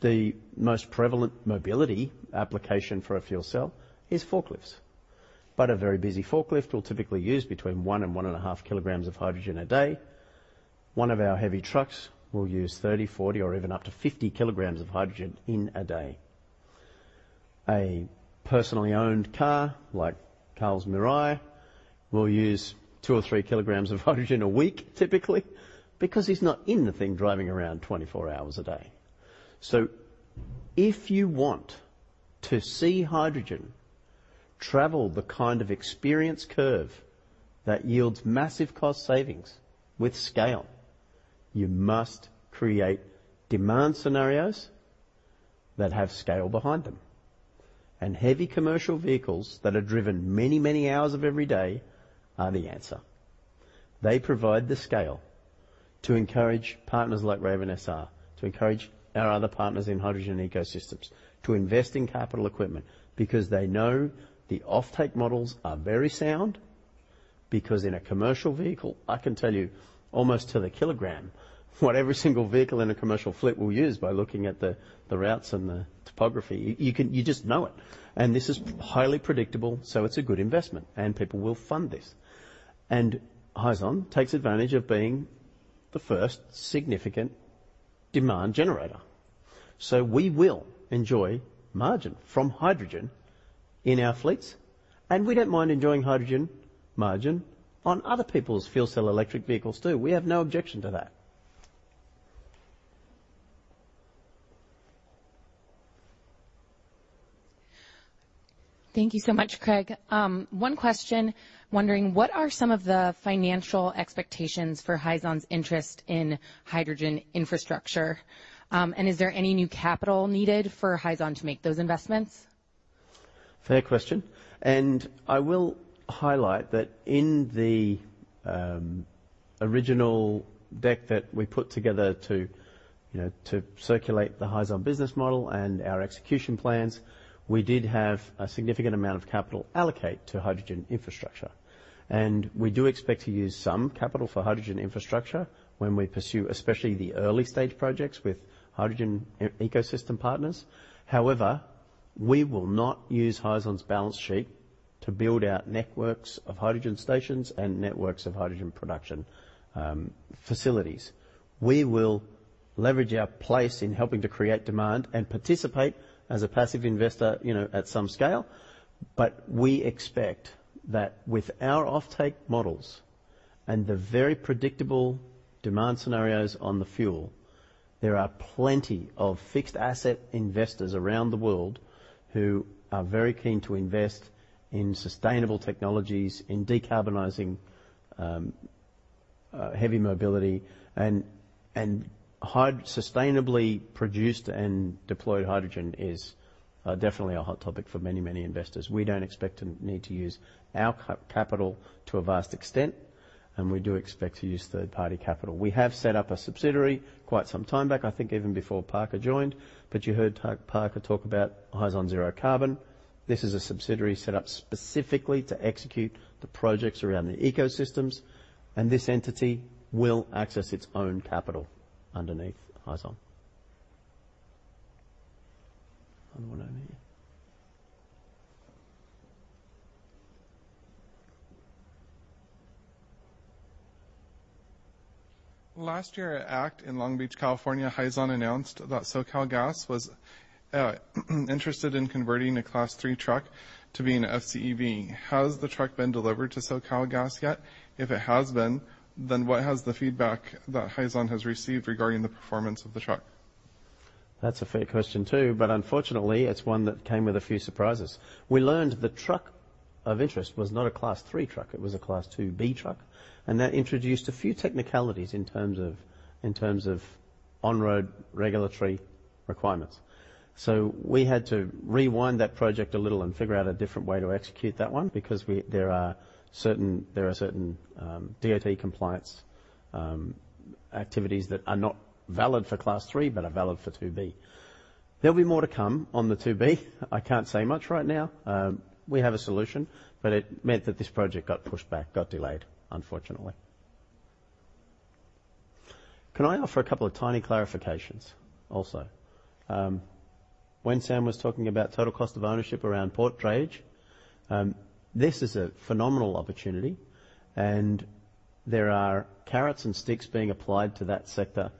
The most prevalent mobility application for a fuel cell is forklifts. A very busy forklift will typically use between one and 1.5 kg of hydrogen a day. One of our heavy trucks will use 30, 40 or even up to 50 kg of hydrogen in a day. A personally owned car, like Carl's Mirai, will use two or three kilograms of hydrogen a week typically because he's not in the thing driving around 24 hours a day. If you want to see hydrogen travel the kind of experience curve that yields massive cost savings with scale. You must create demand scenarios that have scale behind them. Heavy commercial vehicles that are driven many, many hours of every day are the answer. They provide the scale to encourage partners like Raven SR, to encourage our other partners in hydrogen ecosystems to invest in capital equipment because they know the offtake models are very sound. In a commercial vehicle, I can tell you almost to the kilogram what every single vehicle in a commercial fleet will use by looking at the routes and the topography. You just know it. This is highly predictable, so it's a good investment, and people will fund this. Hyzon takes advantage of being the first significant demand generator. We will enjoy margin from hydrogen in our fleets, and we don't mind enjoying hydrogen margin on other people's fuel cell electric vehicles too. We have no objection to that. Thank you so much, Craig. One question. Wondering what are some of the financial expectations for Hyzon's interest in hydrogen infrastructure? Is there any new capital needed for Hyzon to make those investments? Fair question. I will highlight that in the original deck that we put together to, you know, to circulate the Hyzon business model and our execution plans, we did have a significant amount of capital allocate to hydrogen infrastructure. We do expect to use some capital for hydrogen infrastructure when we pursue, especially the early-stage projects with hydrogen ecosystem partners. However, we will not use Hyzon's balance sheet to build out networks of hydrogen stations and networks of hydrogen production facilities. We will leverage our place in helping to create demand and participate as a passive investor, you know, at some scale. We expect that with our offtake models and the very predictable demand scenarios on the fuel, there are plenty of fixed asset investors around the world who are very keen to invest in sustainable technologies, in decarbonizing heavy mobility and sustainably produced and deployed hydrogen is definitely a hot topic for many, many investors. We don't expect to need to use our capital to a vast extent, and we do expect to use third-party capital. We have set up a subsidiary quite some time back, I think even before Parker joined, but you heard the Parker talk about Hyzon Zero Carbon. This is a subsidiary set up specifically to execute the projects around the ecosystems, and this entity will access its own capital underneath Hyzon. Other one over here. Last year at ACT in Long Beach, California, Hyzon announced that SoCalGas was interested in converting a Class three truck to being an FCEV. Has the truck been delivered to SoCalGas yet? If it has been, then what has the feedback that Hyzon has received regarding the performance of the truck? That's a fair question, too. Unfortunately, it's one that came with a few surprises. We learned the truck of interest was not a Class three truck, it was a Class 2B truck, and that introduced a few technicalities in terms of on-road regulatory requirements. We had to rewind that project a little and figure out a different way to execute that one because there are certain DOT compliance activities that are not valid for Class three but are valid for 2B. There'll be more to come on the 2B. I can't say much right now. We have a solution, but it meant that this project got pushed back, got delayed, unfortunately. Can I offer a couple of tiny clarifications also? When Sam was talking about total cost of ownership around port drayage, this is a phenomenal opportunity, and there are carrots and sticks being applied to that sector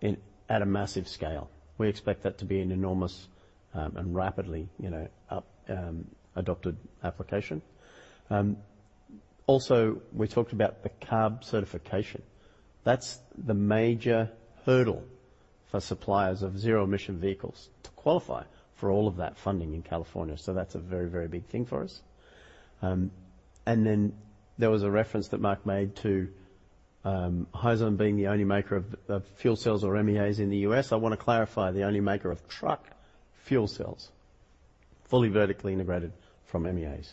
in at a massive scale. We expect that to be an enormous and rapidly, you know, adopted application. Also, we talked about the CARB certification. That's the major hurdle for suppliers of zero-emission vehicles to qualify for all of that funding in California. So that's a very, very big thing for us. Then there was a reference that Mark made to Hyzon being the only maker of fuel cells or MEAs in the U.S. I wanna clarify, the only maker of truck fuel cells, fully vertically integrated from MEAs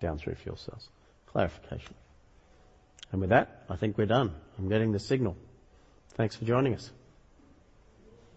down through fuel cells. Clarification. With that, I think we're done. I'm getting the signal. Thanks for joining us.